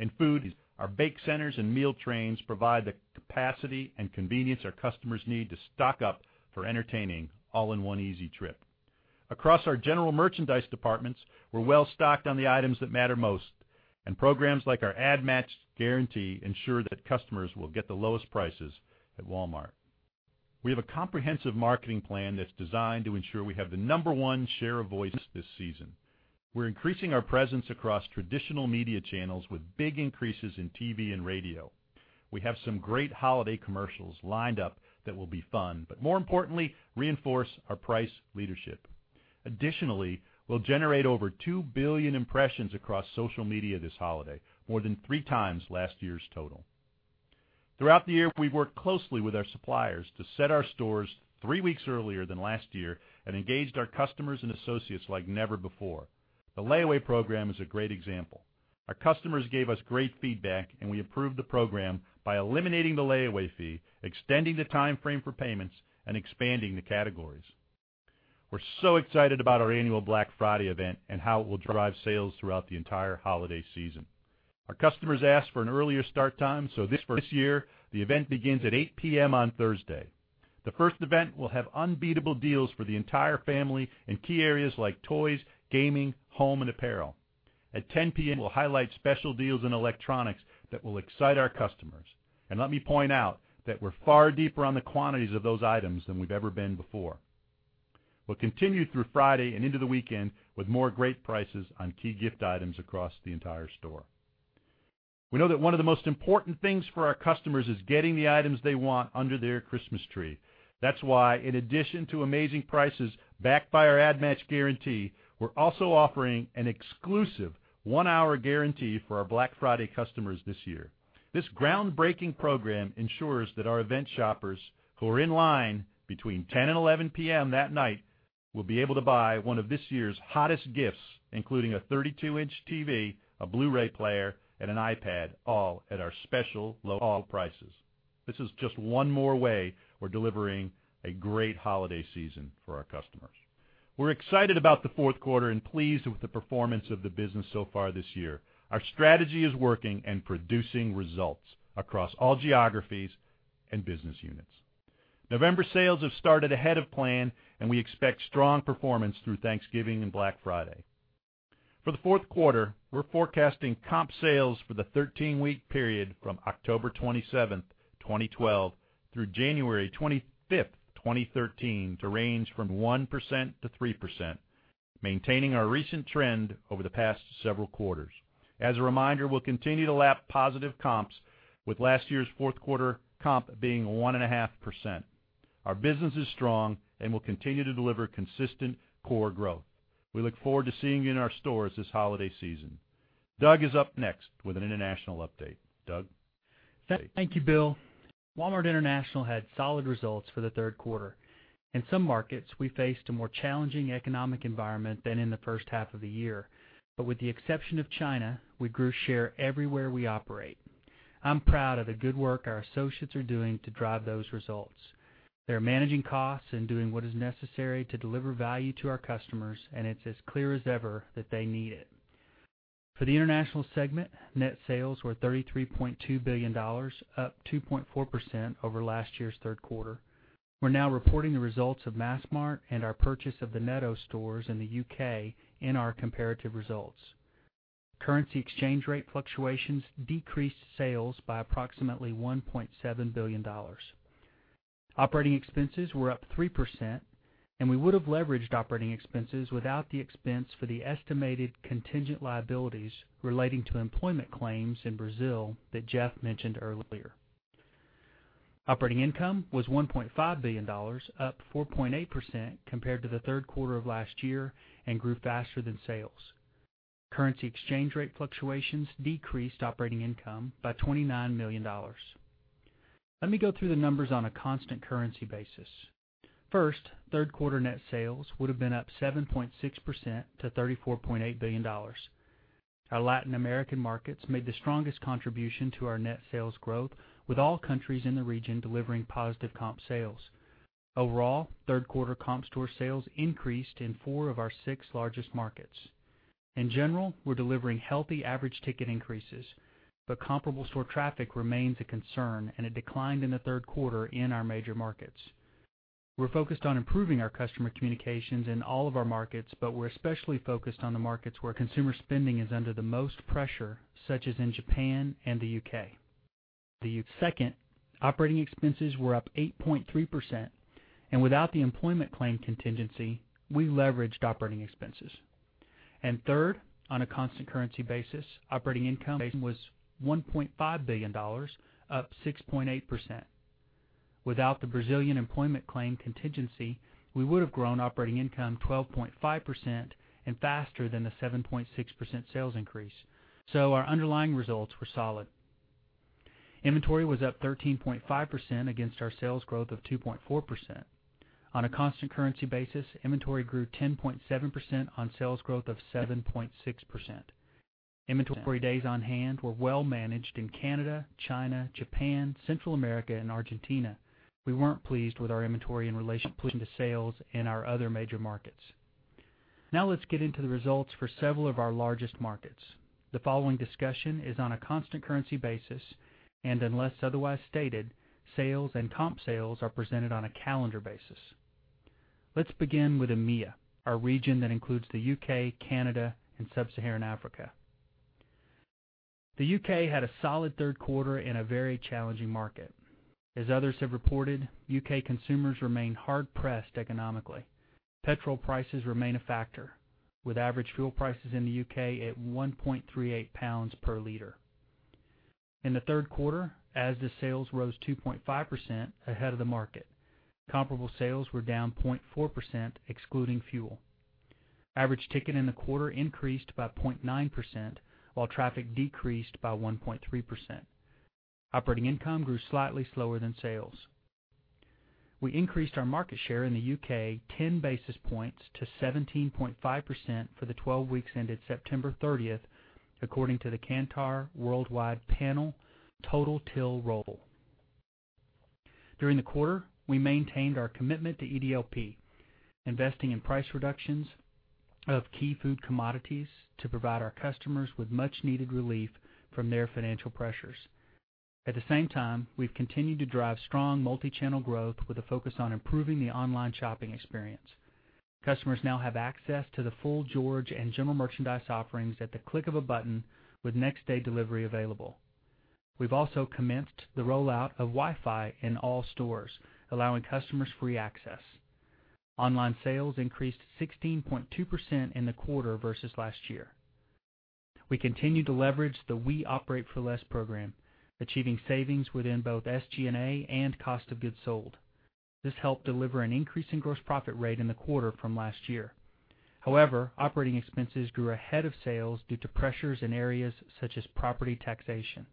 E: In food, our bake centers and meal trains provide the capacity and convenience our customers need to stock up for entertaining all in one easy trip. Across our general merchandise departments, we're well-stocked on the items that matter most, and programs like our Ad Match Guarantee ensure that customers will get the lowest prices at Walmart. We have a comprehensive marketing plan that's designed to ensure we have the number one share of voice this season. We're increasing our presence across traditional media channels with big increases in TV and radio. We have some great holiday commercials lined up that will be fun, but more importantly, reinforce our price leadership. Additionally, we'll generate over 2 billion impressions across social media this holiday, more than three times last year's total. Throughout the year, we've worked closely with our suppliers to set our stores three weeks earlier than last year and engaged our customers and associates like never before. The layaway program is a great example. Our customers gave us great feedback, and we improved the program by eliminating the layaway fee, extending the timeframe for payments, and expanding the categories. We're so excited about our annual Black Friday event and how it will drive sales throughout the entire holiday season. Our customers asked for an earlier start time, so this year, the event begins at 8:00 P.M. on Thursday. The first event will have unbeatable deals for the entire family in key areas like toys, gaming, home, and apparel. At 10:00 P.M., we'll highlight special deals in electronics that will excite our customers. Let me point out that we're far deeper on the quantities of those items than we've ever been before. We'll continue through Friday and into the weekend with more great prices on key gift items across the entire store. We know that one of the most important things for our customers is getting the items they want under their Christmas tree. That's why in addition to amazing prices backed by our Ad Match Guarantee, we're also offering an exclusive one-hour guarantee for our Black Friday customers this year. This groundbreaking program ensures that our event shoppers who are in line between 10:00 and 11:00 P.M. that night will be able to buy one of this year's hottest gifts, including a 32-inch TV, a Blu-ray player, and an iPad, all at our special low prices. This is just one more way we're delivering a great holiday season for our customers. We're excited about the fourth quarter and pleased with the performance of the business so far this year. Our strategy is working and producing results across all geographies and business units. November sales have started ahead of plan, and we expect strong performance through Thanksgiving and Black Friday. For the fourth quarter, we're forecasting comp sales for the 13-week period from October 27th, 2012, through January 25th, 2013, to range from 1%-3%, maintaining our recent trend over the past several quarters. As a reminder, we'll continue to lap positive comps with last year's fourth-quarter comp being 1.5%. Our business is strong and will continue to deliver consistent core growth. We look forward to seeing you in our stores this holiday season. Doug is up next with an international update. Doug?
F: Thank you, Bill. Walmart International had solid results for the third quarter. In some markets, we faced a more challenging economic environment than in the first half of the year. With the exception of China, we grew share everywhere we operate. I am proud of the good work our associates are doing to drive those results. They are managing costs and doing what is necessary to deliver value to our customers, it is as clear as ever that they need it. For the international segment, net sales were $33.2 billion, up 2.4% over last year's third quarter. We are now reporting the results of Massmart and our purchase of the Netto stores in the U.K. in our comparative results. Currency exchange rate fluctuations decreased sales by approximately $1.7 billion. Operating expenses were up 3%. We would have leveraged operating expenses without the expense for the estimated contingent liabilities relating to employment claims in Brazil that Jeff mentioned earlier. Operating income was $1.5 billion, up 4.8% compared to the third quarter of last year, grew faster than sales. Currency exchange rate fluctuations decreased operating income by $29 million. Let me go through the numbers on a constant currency basis. First, third-quarter net sales would have been up 7.6% to $34.8 billion. Our Latin American markets made the strongest contribution to our net sales growth, with all countries in the region delivering positive comp sales. Overall, third quarter comp store sales increased in four of our six largest markets. In general, we are delivering healthy average ticket increases, comparable store traffic remains a concern, it declined in the third quarter in our major markets. We are focused on improving our customer communications in all of our markets. We are especially focused on the markets where consumer spending is under the most pressure, such as in Japan and the U.K. Second, operating expenses were up 8.3%. Without the employment claim contingency, we leveraged operating expenses. Third, on a constant currency basis, operating income was $1.5 billion, up 6.8%. Without the Brazilian employment claim contingency, we would have grown operating income 12.5% faster than the 7.6% sales increase. Our underlying results were solid. Inventory was up 13.5% against our sales growth of 2.4%. On a constant currency basis, inventory grew 10.7% on sales growth of 7.6%. Inventory days on hand were well managed in Canada, China, Japan, Central America, and Argentina. We were not pleased with our inventory in relation to sales in our other major markets. Let's get into the results for several of our largest markets. The following discussion is on a constant currency basis. Unless otherwise stated, sales and comp sales are presented on a calendar basis. Let's begin with EMEA, our region that includes the U.K., Canada, and sub-Saharan Africa. The U.K. had a solid third quarter, a very challenging market. As others have reported, U.K. consumers remain hard-pressed economically. Petrol prices remain a factor, with average fuel prices in the U.K. at 1.38 pounds per liter. In the third quarter, Asda sales rose 2.5% ahead of the market. Comparable sales were down 0.4%, excluding fuel. Average ticket in the quarter increased by 0.9%, while traffic decreased by 1.3%. Operating income grew slightly slower than sales. We increased our market share in the U.K. 10 basis points to 17.5% for the 12 weeks ended September 30th, according to the Kantar Worldpanel total till roll. During the quarter, we maintained our commitment to EDLP, investing in price reductions of key food commodities to provide our customers with much-needed relief from their financial pressures. At the same time, we've continued to drive strong multi-channel growth with a focus on improving the online shopping experience. Customers now have access to the full George and general merchandise offerings at the click of a button with next-day delivery available. We've also commenced the rollout of Wi-Fi in all stores, allowing customers free access. Online sales increased 16.2% in the quarter versus last year. We continue to leverage the We Operate for Less program, achieving savings within both SG&A and cost of goods sold. This helped deliver an increase in gross profit rate in the quarter from last year. However, operating expenses grew ahead of sales due to pressures in areas such as property taxation.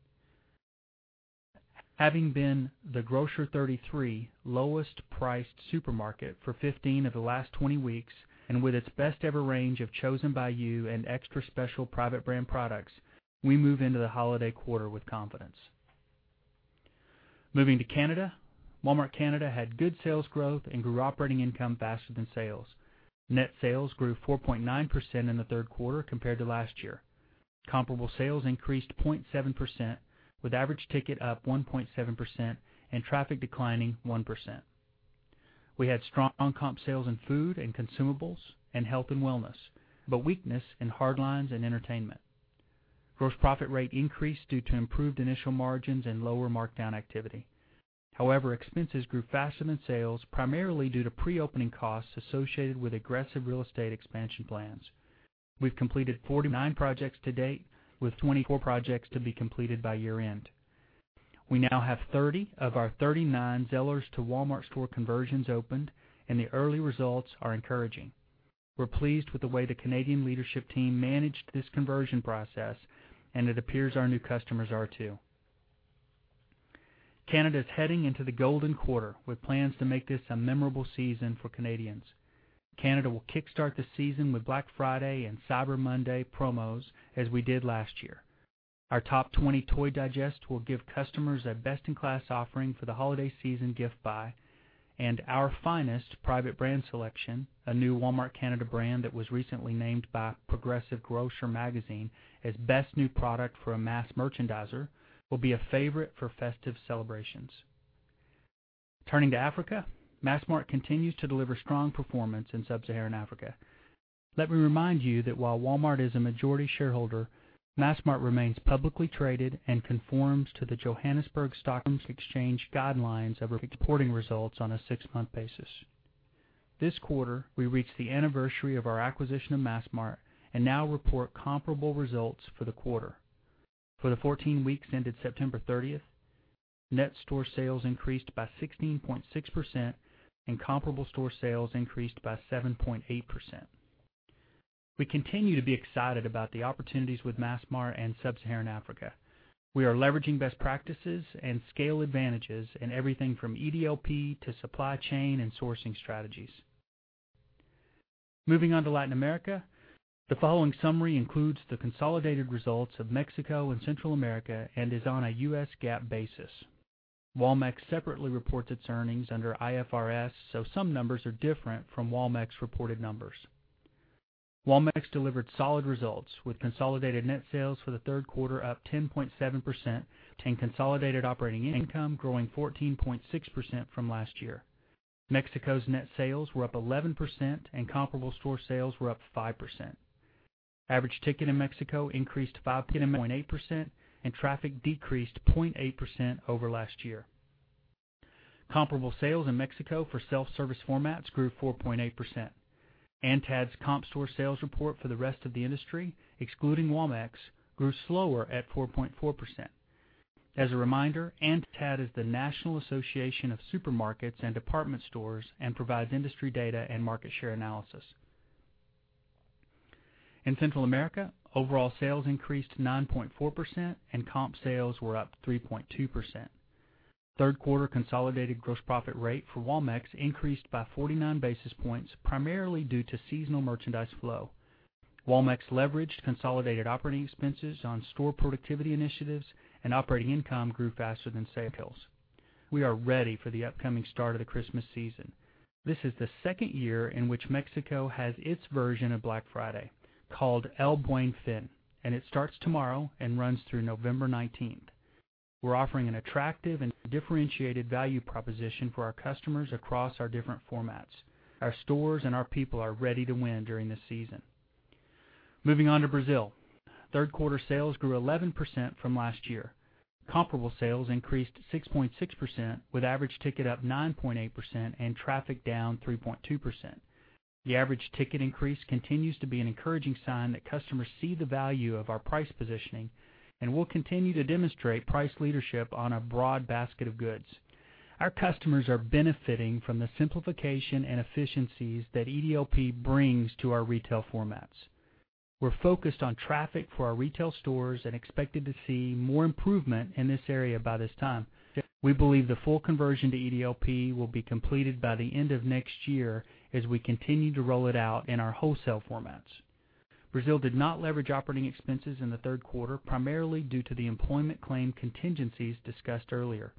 F: Having been the Grocer 33 lowest-priced supermarket for 15 of the last 20 weeks, and with its best-ever range of Chosen by You and Extra Special private brand products, we move into the holiday quarter with confidence. Moving to Canada, Walmart Canada had good sales growth and grew operating income faster than sales. Net sales grew 4.9% in the third quarter compared to last year. Comparable sales increased 7.5%, with average ticket up 1.7% and traffic declining 1%. We had strong comp sales in food and consumables and health and wellness, but weakness in hard lines and entertainment. Gross profit rate increased due to improved initial margins and lower markdown activity. However, expenses grew faster than sales, primarily due to pre-opening costs associated with aggressive real estate expansion plans. We've completed 49 projects to date, with 24 projects to be completed by year-end. We now have 30 of our 39 Zellers to Walmart store conversions opened, and the early results are encouraging. We're pleased with the way the Canadian leadership team managed this conversion process, and it appears our new customers are, too. Canada is heading into the golden quarter with plans to make this a memorable season for Canadians. Canada will kickstart the season with Black Friday and Cyber Monday promos, as we did last year. Our Top 20 Toy Digest will give customers a best-in-class offering for the holiday season gift buy and Our Finest private brand selection, a new Walmart Canada brand that was recently named by Progressive Grocer magazine as best new product for a mass merchandiser, will be a favorite for festive celebrations. Turning to Africa, Massmart continues to deliver strong performance in sub-Saharan Africa. Let me remind you that while Walmart is a majority shareholder, Massmart remains publicly traded and conforms to the Johannesburg Stock Exchange guidelines of reporting results on a six-month basis. This quarter, we reached the anniversary of our acquisition of Massmart and now report comparable results for the quarter. For the 14 weeks ended September 30th, net store sales increased by 16.6% and comparable store sales increased by 7.8%. We continue to be excited about the opportunities with Massmart and sub-Saharan Africa. We are leveraging best practices and scale advantages in everything from EDLP to supply chain and sourcing strategies. Moving on to Latin America, the following summary includes the consolidated results of Mexico and Central America and is on a U.S. GAAP basis. Walmex separately reports its earnings under IFRS, so some numbers are different from Walmex reported numbers. Walmex delivered solid results, with consolidated net sales for the third quarter up 10.7% and consolidated operating income growing 14.6% from last year. Mexico's net sales were up 11% and comparable store sales were up 5%. Average ticket in Mexico increased 5.8% and traffic decreased 0.8% over last year. Comparable sales in Mexico for self-service formats grew 4.8%. ANTAD's comp store sales report for the rest of the industry, excluding Walmex, grew slower at 4.4%. As a reminder, ANTAD is the National Association of Supermarkets and Department Stores and provides industry data and market share analysis. In Central America, overall sales increased 9.4% and comp sales were up 3.2%. Third-quarter consolidated gross profit rate for Walmex increased by 49 basis points, primarily due to seasonal merchandise flow. Walmex leveraged consolidated operating expenses on store productivity initiatives and operating income grew faster than sales. We are ready for the upcoming start of the Christmas season. This is the second year in which Mexico has its version of Black Friday, called El Buen Fin, and it starts tomorrow and runs through November 19th. We're offering an attractive and differentiated value proposition for our customers across our different formats. Our stores and our people are ready to win during this season. Moving on to Brazil. Third-quarter sales grew 11% from last year. Comparable sales increased 6.6%, with average ticket up 9.8% and traffic down 3.2%. The average ticket increase continues to be an encouraging sign that customers see the value of our price positioning, and we'll continue to demonstrate price leadership on a broad basket of goods. Our customers are benefiting from the simplification and efficiencies that EDLP brings to our retail formats. We're focused on traffic for our retail stores and expected to see more improvement in this area by this time. We believe the full conversion to EDLP will be completed by the end of next year as we continue to roll it out in our wholesale formats. Brazil did not leverage operating expenses in the third quarter, primarily due to the employment claim contingencies discussed earlier.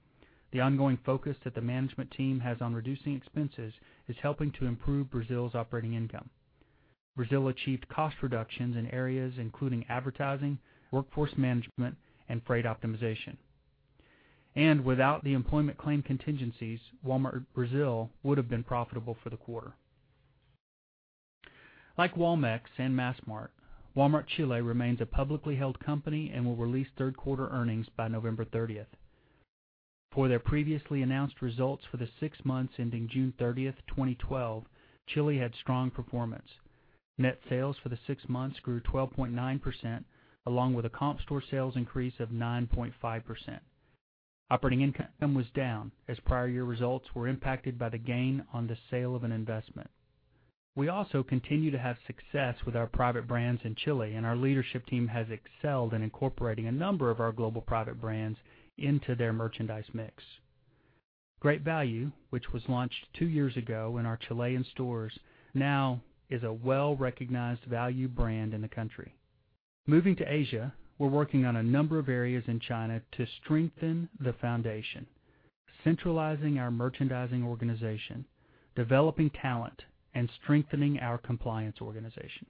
F: The ongoing focus that the management team has on reducing expenses is helping to improve Brazil's operating income. Brazil achieved cost reductions in areas including advertising, workforce management, and freight optimization. Without the employment claim contingencies, Walmart Brazil would have been profitable for the quarter. Like Walmex and Massmart, Walmart Chile remains a publicly held company and will release third-quarter earnings by November 30th. For their previously announced results for the six months ending June 30th, 2012, Chile had strong performance. Net sales for the six months grew 12.9%, along with a comp store sales increase of 9.5%. Operating income was down as prior year results were impacted by the gain on the sale of an investment. We also continue to have success with our private brands in Chile, and our leadership team has excelled in incorporating a number of our global private brands into their merchandise mix. Great Value, which was launched two years ago in our Chilean stores, now is a well-recognized value brand in the country. Moving to Asia, we're working on a number of areas in China to strengthen the foundation, centralizing our merchandising organization, developing talent, and strengthening our compliance organization.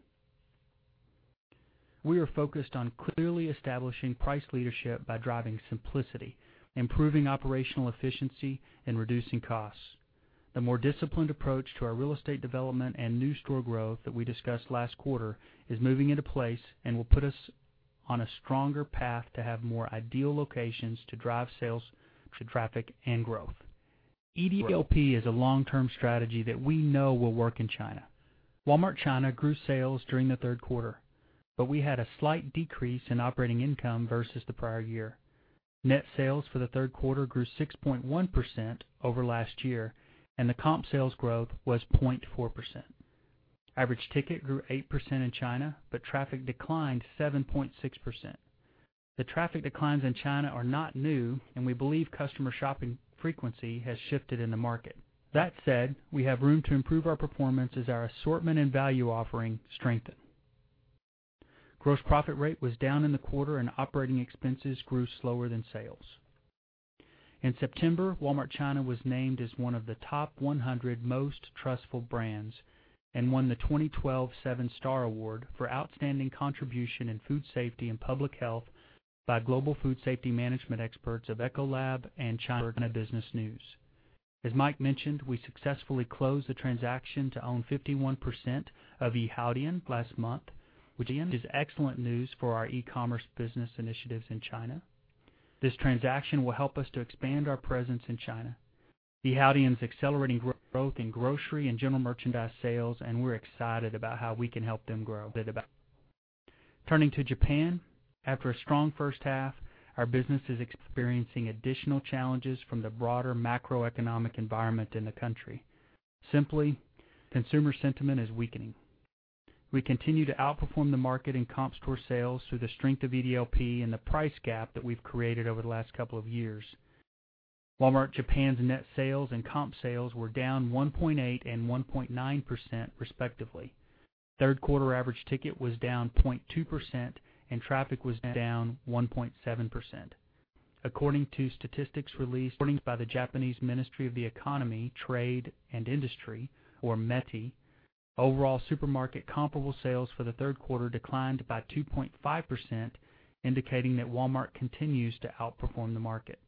F: We are focused on clearly establishing price leadership by driving simplicity, improving operational efficiency, and reducing costs. The more disciplined approach to our real estate development and new store growth that we discussed last quarter is moving into place and will put us on a stronger path to have more ideal locations to drive sales to traffic and growth. EDLP is a long-term strategy that we know will work in China. Walmart China grew sales during the third quarter, but we had a slight decrease in operating income versus the prior year. Net sales for the third quarter grew 6.1% over last year, and the comp sales growth was 0.4%. Average ticket grew 8% in China, but traffic declined 7.6%. The traffic declines in China are not new and we believe customer shopping frequency has shifted in the market. That said, we have room to improve our performance as our assortment and value offering strengthen. Gross profit rate was down in the quarter and operating expenses grew slower than sales. In September, Walmart China was named as one of the 100 most trustful brands and won the 2012 Seven Star Award for outstanding contribution in food safety and public health by global food safety management experts of Ecolab and China Business News. As Mike mentioned, we successfully closed the transaction to own 51% of Yihaodian last month, which is excellent news for our e-commerce business initiatives in China. This transaction will help us to expand our presence in China. Yihaodian's accelerating growth in grocery and general merchandise sales, and we're excited about how we can help them grow. Turning to Japan, after a strong first half, our business is experiencing additional challenges from the broader macroeconomic environment in the country. Simply, consumer sentiment is weakening. We continue to outperform the market in comp store sales through the strength of EDLP and the price gap that we've created over the last couple of years. Walmart Japan's net sales and comp sales were down 1.8% and 1.9%, respectively. Third quarter average ticket was down 0.2%, and traffic was down 1.7%. According to statistics released by the Japanese Ministry of Economy, Trade and Industry, or METI, overall supermarket comparable sales for the third quarter declined by 2.5%, indicating that Walmart continues to outperform the market.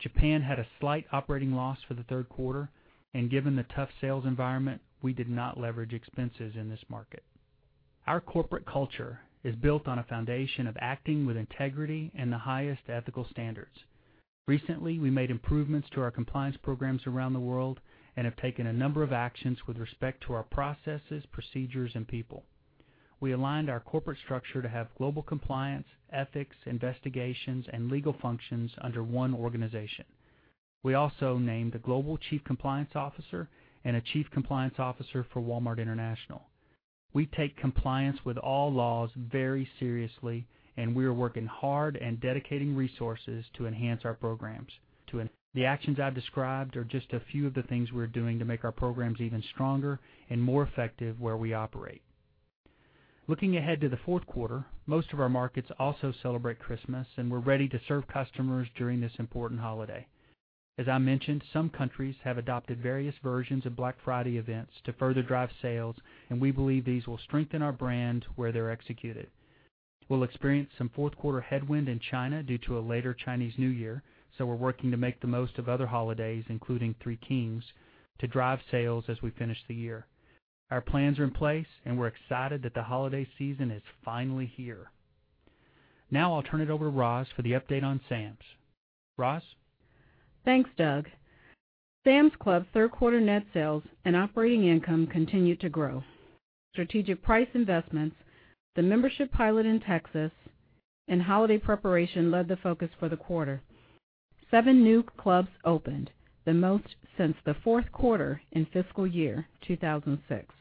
F: Japan had a slight operating loss for the third quarter, and given the tough sales environment, we did not leverage expenses in this market. Our corporate culture is built on a foundation of acting with integrity and the highest ethical standards. Recently, we made improvements to our compliance programs around the world and have taken a number of actions with respect to our processes, procedures, and people. We aligned our corporate structure to have global compliance, ethics, investigations, and legal functions under one organization. We also named a global Chief Compliance Officer and a Chief Compliance Officer for Walmart International. We take compliance with all laws very seriously, and we are working hard and dedicating resources to enhance our programs. The actions I've described are just a few of the things we're doing to make our programs even stronger and more effective where we operate. Looking ahead to the fourth quarter, most of our markets also celebrate Christmas, and we're ready to serve customers during this important holiday. As I mentioned, some countries have adopted various versions of Black Friday events to further drive sales, and we believe these will strengthen our brand where they're executed. We'll experience some fourth-quarter headwind in China due to a later Chinese New Year, so we're working to make the most of other holidays, including Three Kings, to drive sales as we finish the year. Our plans are in place, and we're excited that the holiday season is finally here. Now I'll turn it over to Roz for the update on Sam's. Roz?
G: Thanks, Doug. Sam's Club third-quarter net sales and operating income continued to grow. Strategic price investments, the membership pilot in Texas, and holiday preparation led the focus for the quarter. Seven new clubs opened, the most since the fourth quarter in fiscal year 2006.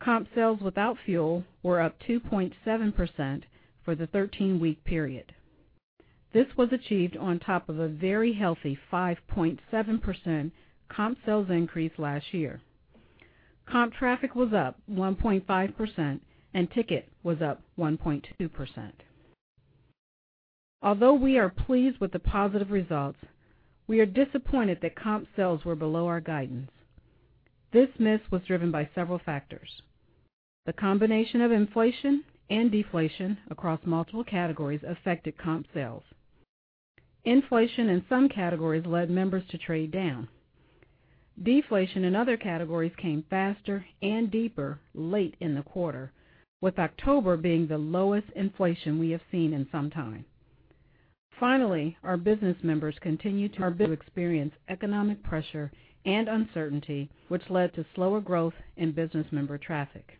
G: Comp sales without fuel were up 2.7% for the 13-week period. This was achieved on top of a very healthy 5.7% comp sales increase last year. Comp traffic was up 1.5%, and ticket was up 1.2%. Although we are pleased with the positive results, we are disappointed that comp sales were below our guidance. This miss was driven by several factors. The combination of inflation and deflation across multiple categories affected comp sales. Inflation in some categories led members to trade down. Deflation in other categories came faster and deeper late in the quarter, with October being the lowest inflation we have seen in some time. Finally, our business members continue to experience economic pressure and uncertainty, which led to slower growth in business member traffic.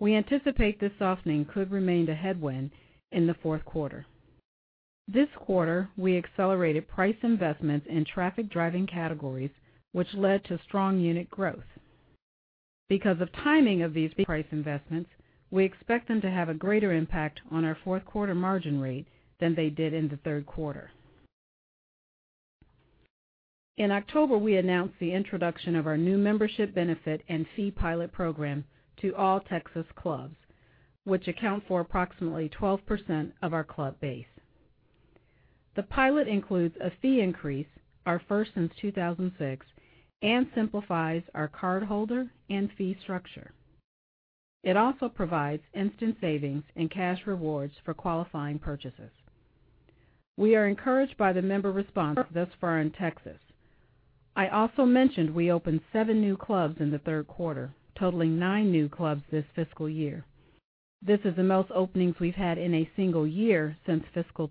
G: We anticipate this softening could remain a headwind in the fourth quarter. This quarter, we accelerated price investments in traffic-driving categories, which led to strong unit growth. Because of timing of these price investments, we expect them to have a greater impact on our fourth quarter margin rate than they did in the third quarter. In October, we announced the introduction of our new membership benefit and fee pilot program to all Texas clubs, which account for approximately 12% of our club base. The pilot includes a fee increase, our first since 2006, and simplifies our cardholder and fee structure. It also provides instant savings and cash rewards for qualifying purchases. We are encouraged by the member response thus far in Texas. I also mentioned we opened seven new clubs in the third quarter, totaling nine new clubs this fiscal year. This is the most openings we've had in a single year since fiscal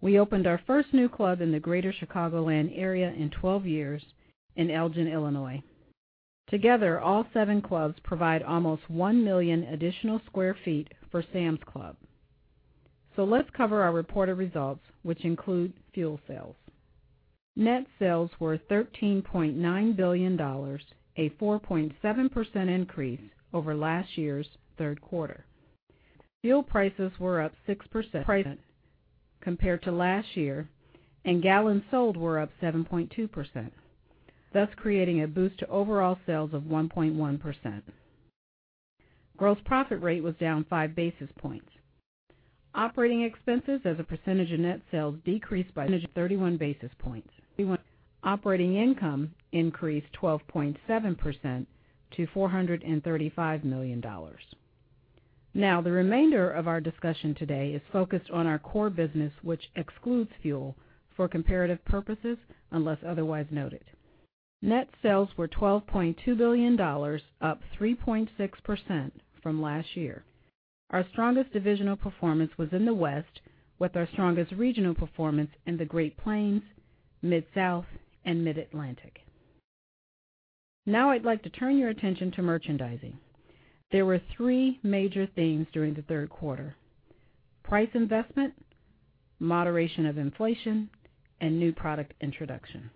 G: 2009. We opened our first new club in the greater Chicagoland area in 12 years in Elgin, Illinois. Together, all seven clubs provide almost 1 million additional square feet for Sam's Club. Let's cover our reported results, which include fuel sales. Net sales were $13.9 billion, a 4.7% increase over last year's third quarter. Fuel prices were up 6% compared to last year, and gallons sold were up 7.2%, thus creating a boost to overall sales of 1.1%. Gross profit rate was down five basis points. Operating expenses as a percentage of net sales decreased by 31 basis points. Operating income increased 12.7% to $435 million. The remainder of our discussion today is focused on our core business, which excludes fuel, for comparative purposes, unless otherwise noted. Net sales were $12.2 billion, up 3.6% from last year. Our strongest divisional performance was in the West, with our strongest regional performance in the Great Plains, Mid-South, and Mid-Atlantic. I'd like to turn your attention to merchandising. There were three major themes during the third quarter: price investment, moderation of inflation, and new product introduction.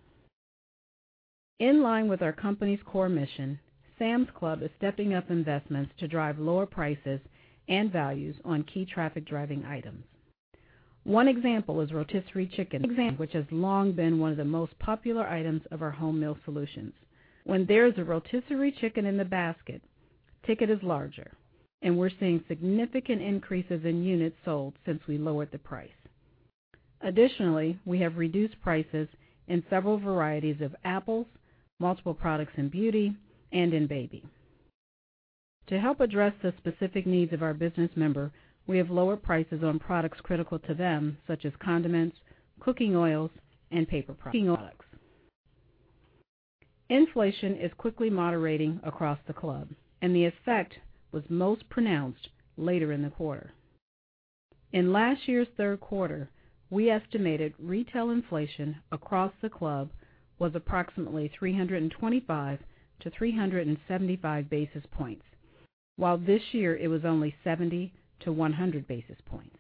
G: In line with our company's core mission, Sam's Club is stepping up investments to drive lower prices and values on key traffic-driving items. One example is rotisserie chicken, which has long been one of the most popular items of our home meal solutions. When there's a rotisserie chicken in the basket, ticket is larger, and we're seeing significant increases in units sold since we lowered the price. We have reduced prices in several varieties of apples, multiple products in beauty, and in baby. To help address the specific needs of our business member, we have lower prices on products critical to them, such as condiments, cooking oils, and paper products. Inflation is quickly moderating across the club, and the effect was most pronounced later in the quarter. In last year's third quarter, we estimated retail inflation across the club was approximately 325-375 basis points, while this year it was only 70-100 basis points.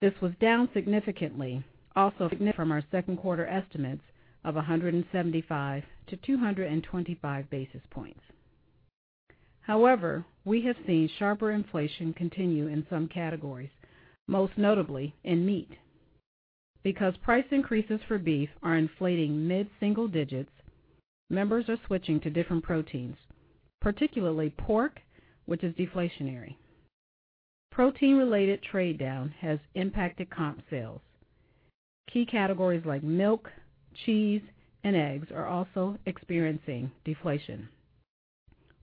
G: This was down significantly also from our second quarter estimates of 175-225 basis points. We have seen sharper inflation continue in some categories, most notably in meat. Because price increases for beef are inflating mid-single digits, members are switching to different proteins, particularly pork, which is deflationary. Protein-related trade down has impacted comp sales. Key categories like milk, cheese, and eggs are also experiencing deflation,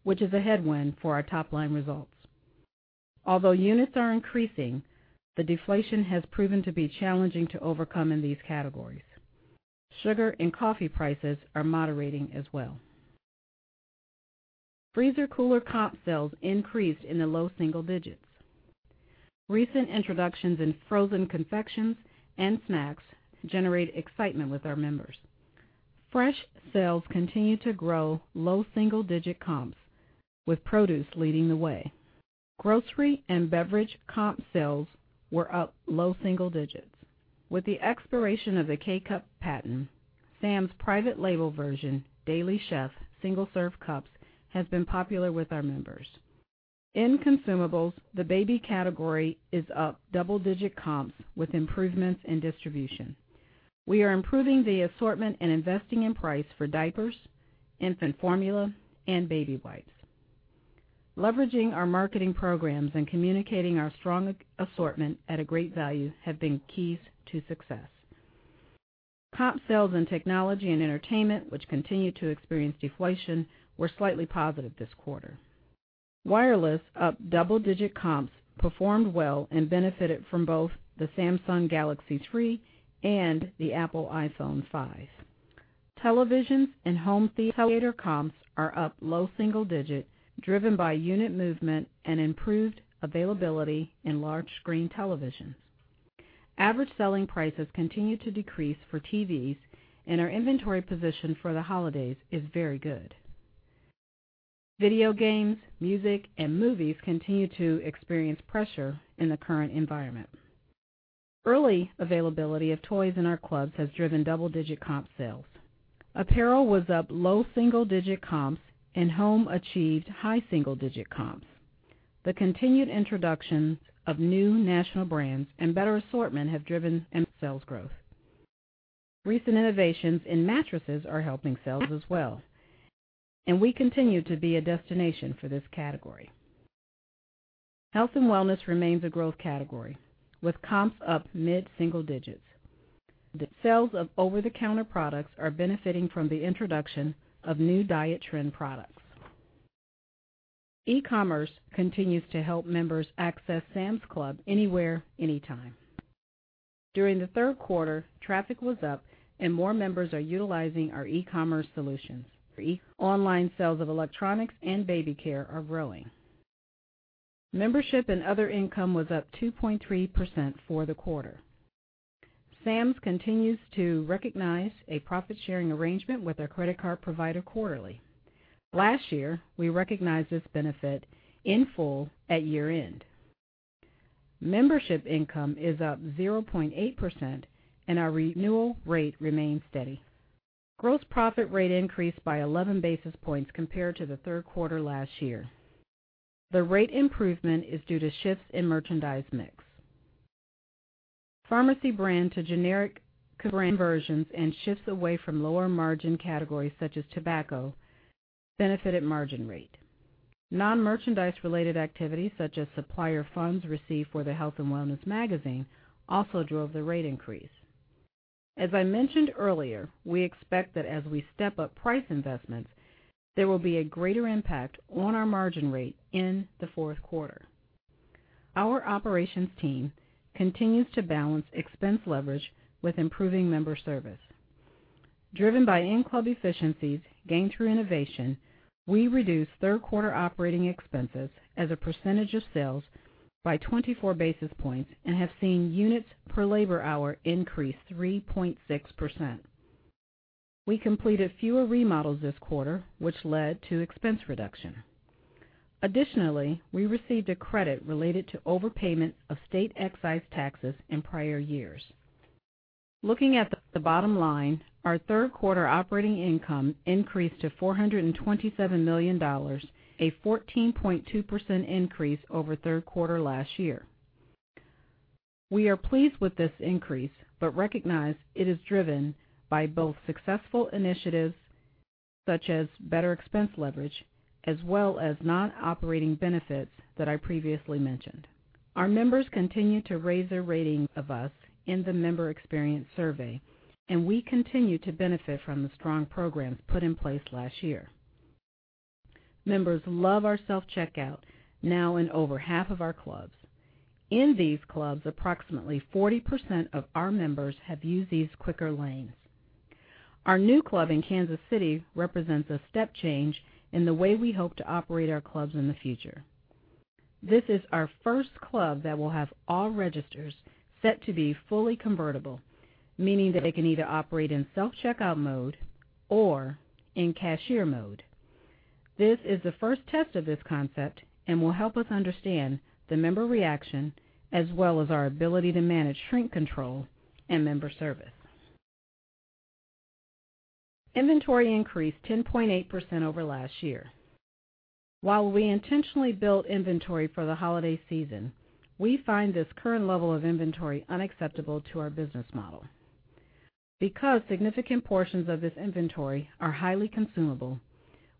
G: which is a headwind for our top-line results. Although units are increasing, the deflation has proven to be challenging to overcome in these categories. Sugar and coffee prices are moderating as well. Freezer cooler comp sales increased in the low single digits. Recent introductions in frozen confections and snacks generate excitement with our members. Fresh sales continue to grow low single-digit comps with produce leading the way. Grocery and beverage comp sales were up low single digits. With the expiration of the K-Cup patent, Sam's private label version, Daily Chef single-serve cups, has been popular with our members. In consumables, the baby category is up double-digit comps with improvements in distribution. We are improving the assortment and investing in price for diapers, infant formula, and baby wipes. Leveraging our marketing programs and communicating our strong assortment at a great value have been keys to success. Comp sales in technology and entertainment, which continue to experience deflation, were slightly positive this quarter. Wireless, up double-digit comps, performed well and benefited from both the Samsung Galaxy 3 and the Apple iPhone 5. Televisions and home theater comps are up low single digits, driven by unit movement and improved availability in large-screen televisions. Average selling prices continue to decrease for TVs, and our inventory position for the holidays is very good. Video games, music, and movies continue to experience pressure in the current environment. Early availability of toys in our clubs has driven double-digit comp sales. Apparel was up low single-digit comps, and home achieved high single-digit comps. The continued introductions of new national brands and better assortment have driven sales growth. Recent innovations in mattresses are helping sales as well. We continue to be a destination for this category. Health and wellness remains a growth category, with comps up mid-single digits. Sales of over-the-counter products are benefiting from the introduction of new diet trend products. E-commerce continues to help members access Sam's Club anywhere, anytime. During the third quarter, traffic was up. More members are utilizing our e-commerce solutions. Online sales of electronics and baby care are growing. Membership and other income was up 2.3% for the quarter. Sam's continues to recognize a profit-sharing arrangement with our credit card provider quarterly. Last year, we recognized this benefit in full at year-end. Membership income is up 0.8%, and our renewal rate remains steady. Gross profit rate increased by 11 basis points compared to the third quarter last year. The rate improvement is due to shifts in merchandise mix. Pharmacy brand to generic conversions and shifts away from lower-margin categories such as tobacco benefited margin rate. Non-merchandise-related activities, such as supplier funds received for the Healthy Living Made Simple magazine, also drove the rate increase. As I mentioned earlier, we expect that as we step up price investments, there will be a greater impact on our margin rate in the fourth quarter. Our operations team continues to balance expense leverage with improving member service. Driven by in-club efficiencies gained through innovation, we reduced third-quarter operating expenses as a percentage of sales by 24 basis points and have seen units per labor hour increase 3.6%. We completed fewer remodels this quarter, which led to expense reduction. We received a credit related to overpayment of state excise taxes in prior years. Looking at the bottom line, our third quarter operating income increased to $427 million, a 14.2% increase over third quarter last year. We are pleased with this increase, but recognize it is driven by both successful initiatives such as better expense leverage, as well as non-operating benefits that I previously mentioned. Our members continue to raise their rating of us in the Member Experience Survey. We continue to benefit from the strong programs put in place last year. Members love our self-checkout, now in over half of our clubs. In these clubs, approximately 40% of our members have used these quicker lanes. Our new club in Kansas City represents a step change in the way we hope to operate our clubs in the future. This is our first club that will have all registers set to be fully convertible, meaning that they can either operate in self-checkout mode or in cashier mode. This is the first test of this concept and will help us understand the member reaction, as well as our ability to manage shrink control and member service. Inventory increased 10.8% over last year. While we intentionally built inventory for the holiday season, we find this current level of inventory unacceptable to our business model. Because significant portions of this inventory are highly consumable,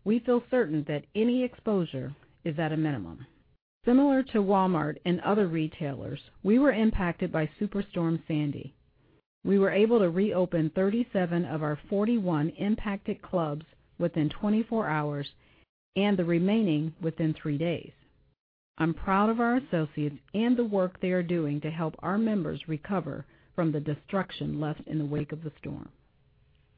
G: we feel certain that any exposure is at a minimum. Similar to Walmart and other retailers, we were impacted by Superstorm Sandy. We were able to reopen 37 of our 41 impacted clubs within 24 hours, and the remaining within three days. I'm proud of our associates and the work they are doing to help our members recover from the destruction left in the wake of the storm.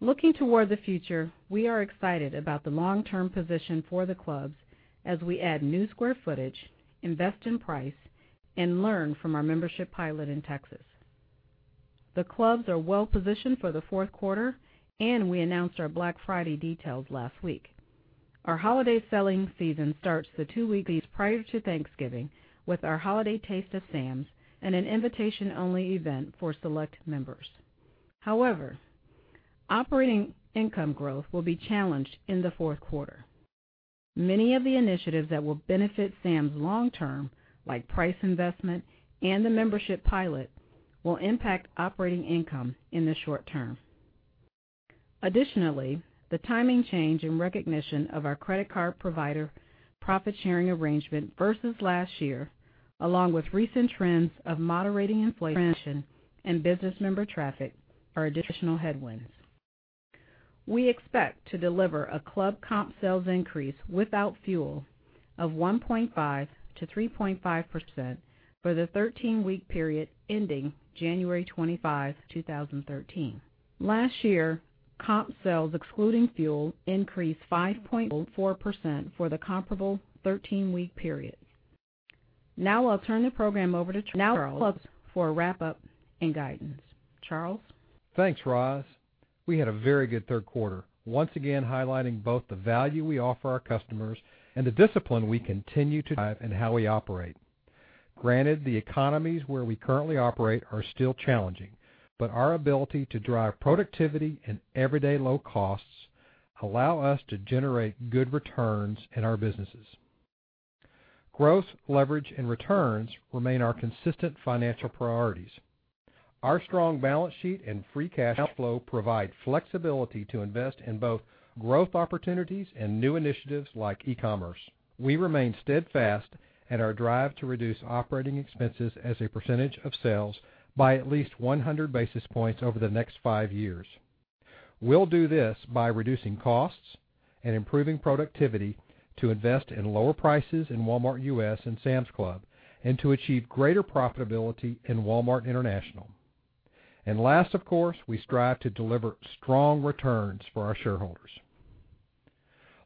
G: Looking toward the future, we are excited about the long-term position for the clubs as we add new square footage, invest in price, and learn from our membership pilot in Texas. The clubs are well positioned for the fourth quarter, and we announced our Black Friday details last week. Our holiday selling season starts the two weeks prior to Thanksgiving with our Holiday Taste of Sam's and an invitation-only event for select members. However, operating income growth will be challenged in the fourth quarter. Many of the initiatives that will benefit Sam's long term, like price investment and the membership pilot, will impact operating income in the short term. The timing change in recognition of our credit card provider profit-sharing arrangement versus last year, along with recent trends of moderating inflation and business member traffic, are additional headwinds. We expect to deliver a club comp sales increase without fuel of 1.5%-3.5% for the 13-week period ending January 25, 2013. Last year, comp sales excluding fuel increased 5.4% for the comparable 13-week period. I'll turn the program over to Charles for a wrap up and guidance. Charles?
H: Thanks, Roz. We had a very good third quarter, once again highlighting both the value we offer our customers and the discipline we continue to drive in how we operate. Granted, the economies where we currently operate are still challenging, but our ability to drive productivity and everyday low costs allow us to generate good returns in our businesses. Growth, leverage, and returns remain our consistent financial priorities. Our strong balance sheet and free cash flow provide flexibility to invest in both growth opportunities and new initiatives like e-commerce. We remain steadfast at our drive to reduce operating expenses as a percentage of sales by at least 100 basis points over the next five years. We'll do this by reducing costs and improving productivity to invest in lower prices in Walmart U.S. and Sam's Club, and to achieve greater profitability in Walmart International. Last, of course, we strive to deliver strong returns for our shareholders.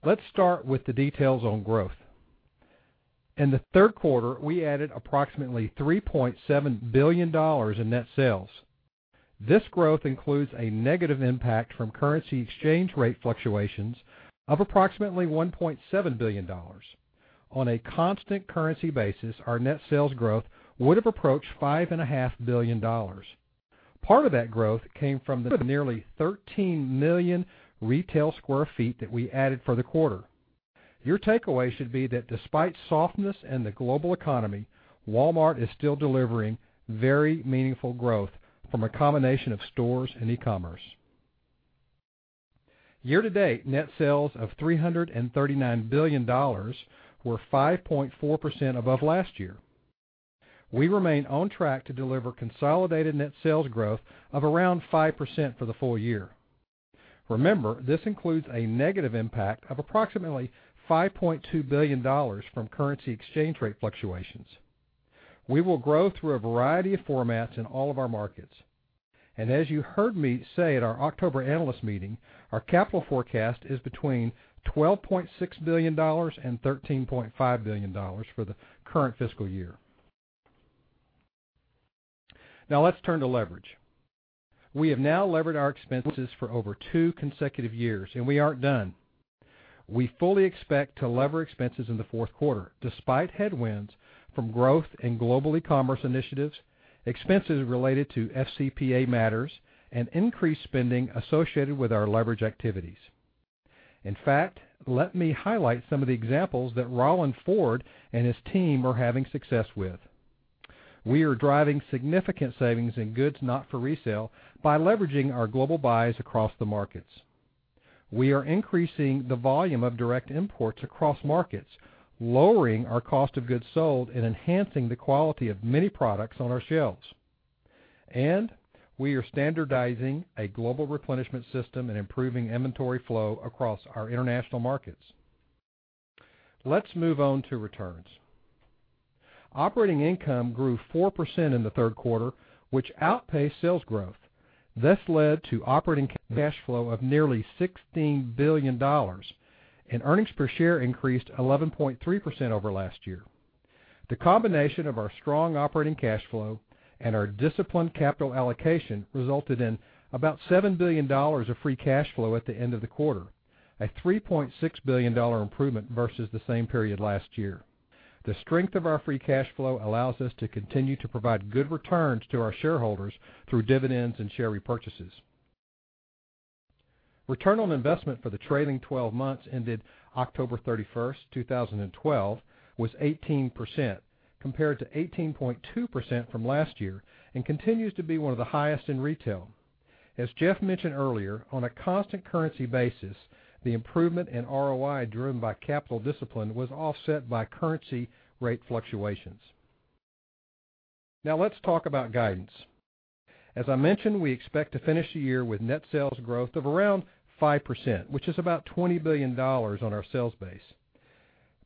H: Let's start with the details on growth. In the third quarter, we added approximately $3.7 billion in net sales. This growth includes a negative impact from currency exchange rate fluctuations of approximately $1.7 billion. On a constant currency basis, our net sales growth would have approached $5.5 billion. Part of that growth came from the nearly 13 million retail square feet that we added for the quarter. Your takeaway should be that despite softness in the global economy, Walmart is still delivering very meaningful growth from a combination of stores and e-commerce. Year-to-date, net sales of $339 billion were 5.4% above last year. We remain on track to deliver consolidated net sales growth of around 5% for the full year. Remember, this includes a negative impact of approximately $5.2 billion from currency exchange rate fluctuations. We will grow through a variety of formats in all of our markets. As you heard me say at our October analyst meeting, our capital forecast is between $12.6 billion and $13.5 billion for the current fiscal year. Now let's turn to leverage. We have now levered our expenses for over two consecutive years, and we aren't done. We fully expect to lever expenses in the fourth quarter, despite headwinds from growth in global e-commerce initiatives, expenses related to FCPA matters, and increased spending associated with our leverage activities. In fact, let me highlight some of the examples that Rollin Ford and his team are having success with. We are driving significant savings in goods not for resale by leveraging our global buys across the markets. We are increasing the volume of direct imports across markets, lowering our cost of goods sold and enhancing the quality of many products on our shelves. We are standardizing a global replenishment system and improving inventory flow across our international markets. Let's move on to returns. Operating income grew 4% in the third quarter, which outpaced sales growth. This led to operating cash flow of nearly $16 billion, and earnings per share increased 11.3% over last year. The combination of our strong operating cash flow and our disciplined capital allocation resulted in about $7 billion of free cash flow at the end of the quarter, a $3.6 billion improvement versus the same period last year. The strength of our free cash flow allows us to continue to provide good returns to our shareholders through dividends and share repurchases. Return on investment for the trailing 12 months ended October 31st, 2012, was 18%, compared to 18.2% from last year and continues to be one of the highest in retail. As Jeff mentioned earlier, on a constant currency basis, the improvement in ROI driven by capital discipline was offset by currency rate fluctuations. Now let's talk about guidance. As I mentioned, we expect to finish the year with net sales growth of around 5%, which is about $20 billion on our sales base.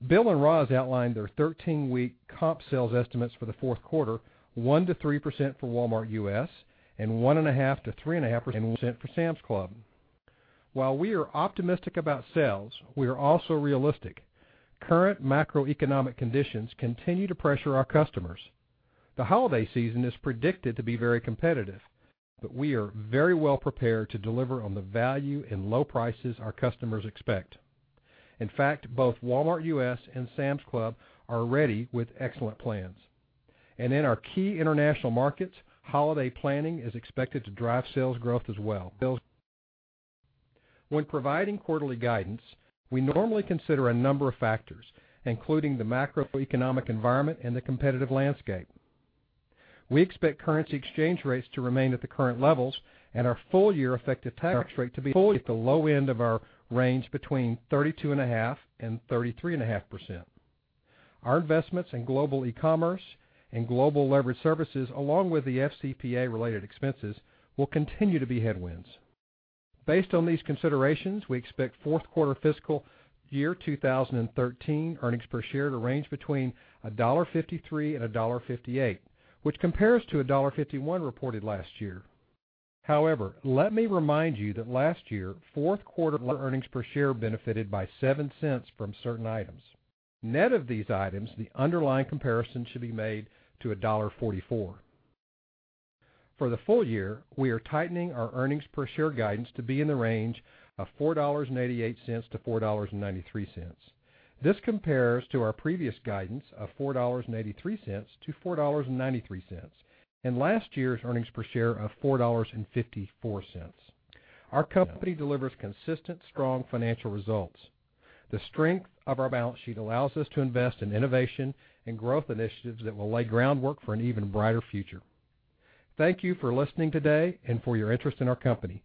H: Bill and Roz outlined their 13-week comp sales estimates for the fourth quarter, 1%-3% for Walmart U.S. and 1.5%-3.5% for Sam's Club. While we are optimistic about sales, we are also realistic. Current macroeconomic conditions continue to pressure our customers. The holiday season is predicted to be very competitive, we are very well prepared to deliver on the value and low prices our customers expect. In fact, both Walmart U.S. and Sam's Club are ready with excellent plans. In our key international markets, holiday planning is expected to drive sales growth as well. When providing quarterly guidance, we normally consider a number of factors, including the macroeconomic environment and the competitive landscape. We expect currency exchange rates to remain at the current levels and our full-year effective tax rate to be fully at the low end of our range between 32.5%-33.5%. Our investments in global e-commerce and global leverage services, along with the FCPA-related expenses, will continue to be headwinds. Based on these considerations, we expect fourth quarter fiscal year 2013 earnings per share to range between $1.53 and $1.58, which compares to $1.51 reported last year. However, let me remind you that last year, fourth quarter earnings per share benefited by $0.07 from certain items. Net of these items, the underlying comparison should be made to $1.44. For the full year, we are tightening our earnings per share guidance to be in the range of $4.88 to $4.93. This compares to our previous guidance of $4.83 to $4.93 and last year's earnings per share of $4.54. Our company delivers consistent, strong financial results. The strength of our balance sheet allows us to invest in innovation and growth initiatives that will lay groundwork for an even brighter future. Thank you for listening today and for your interest in our company.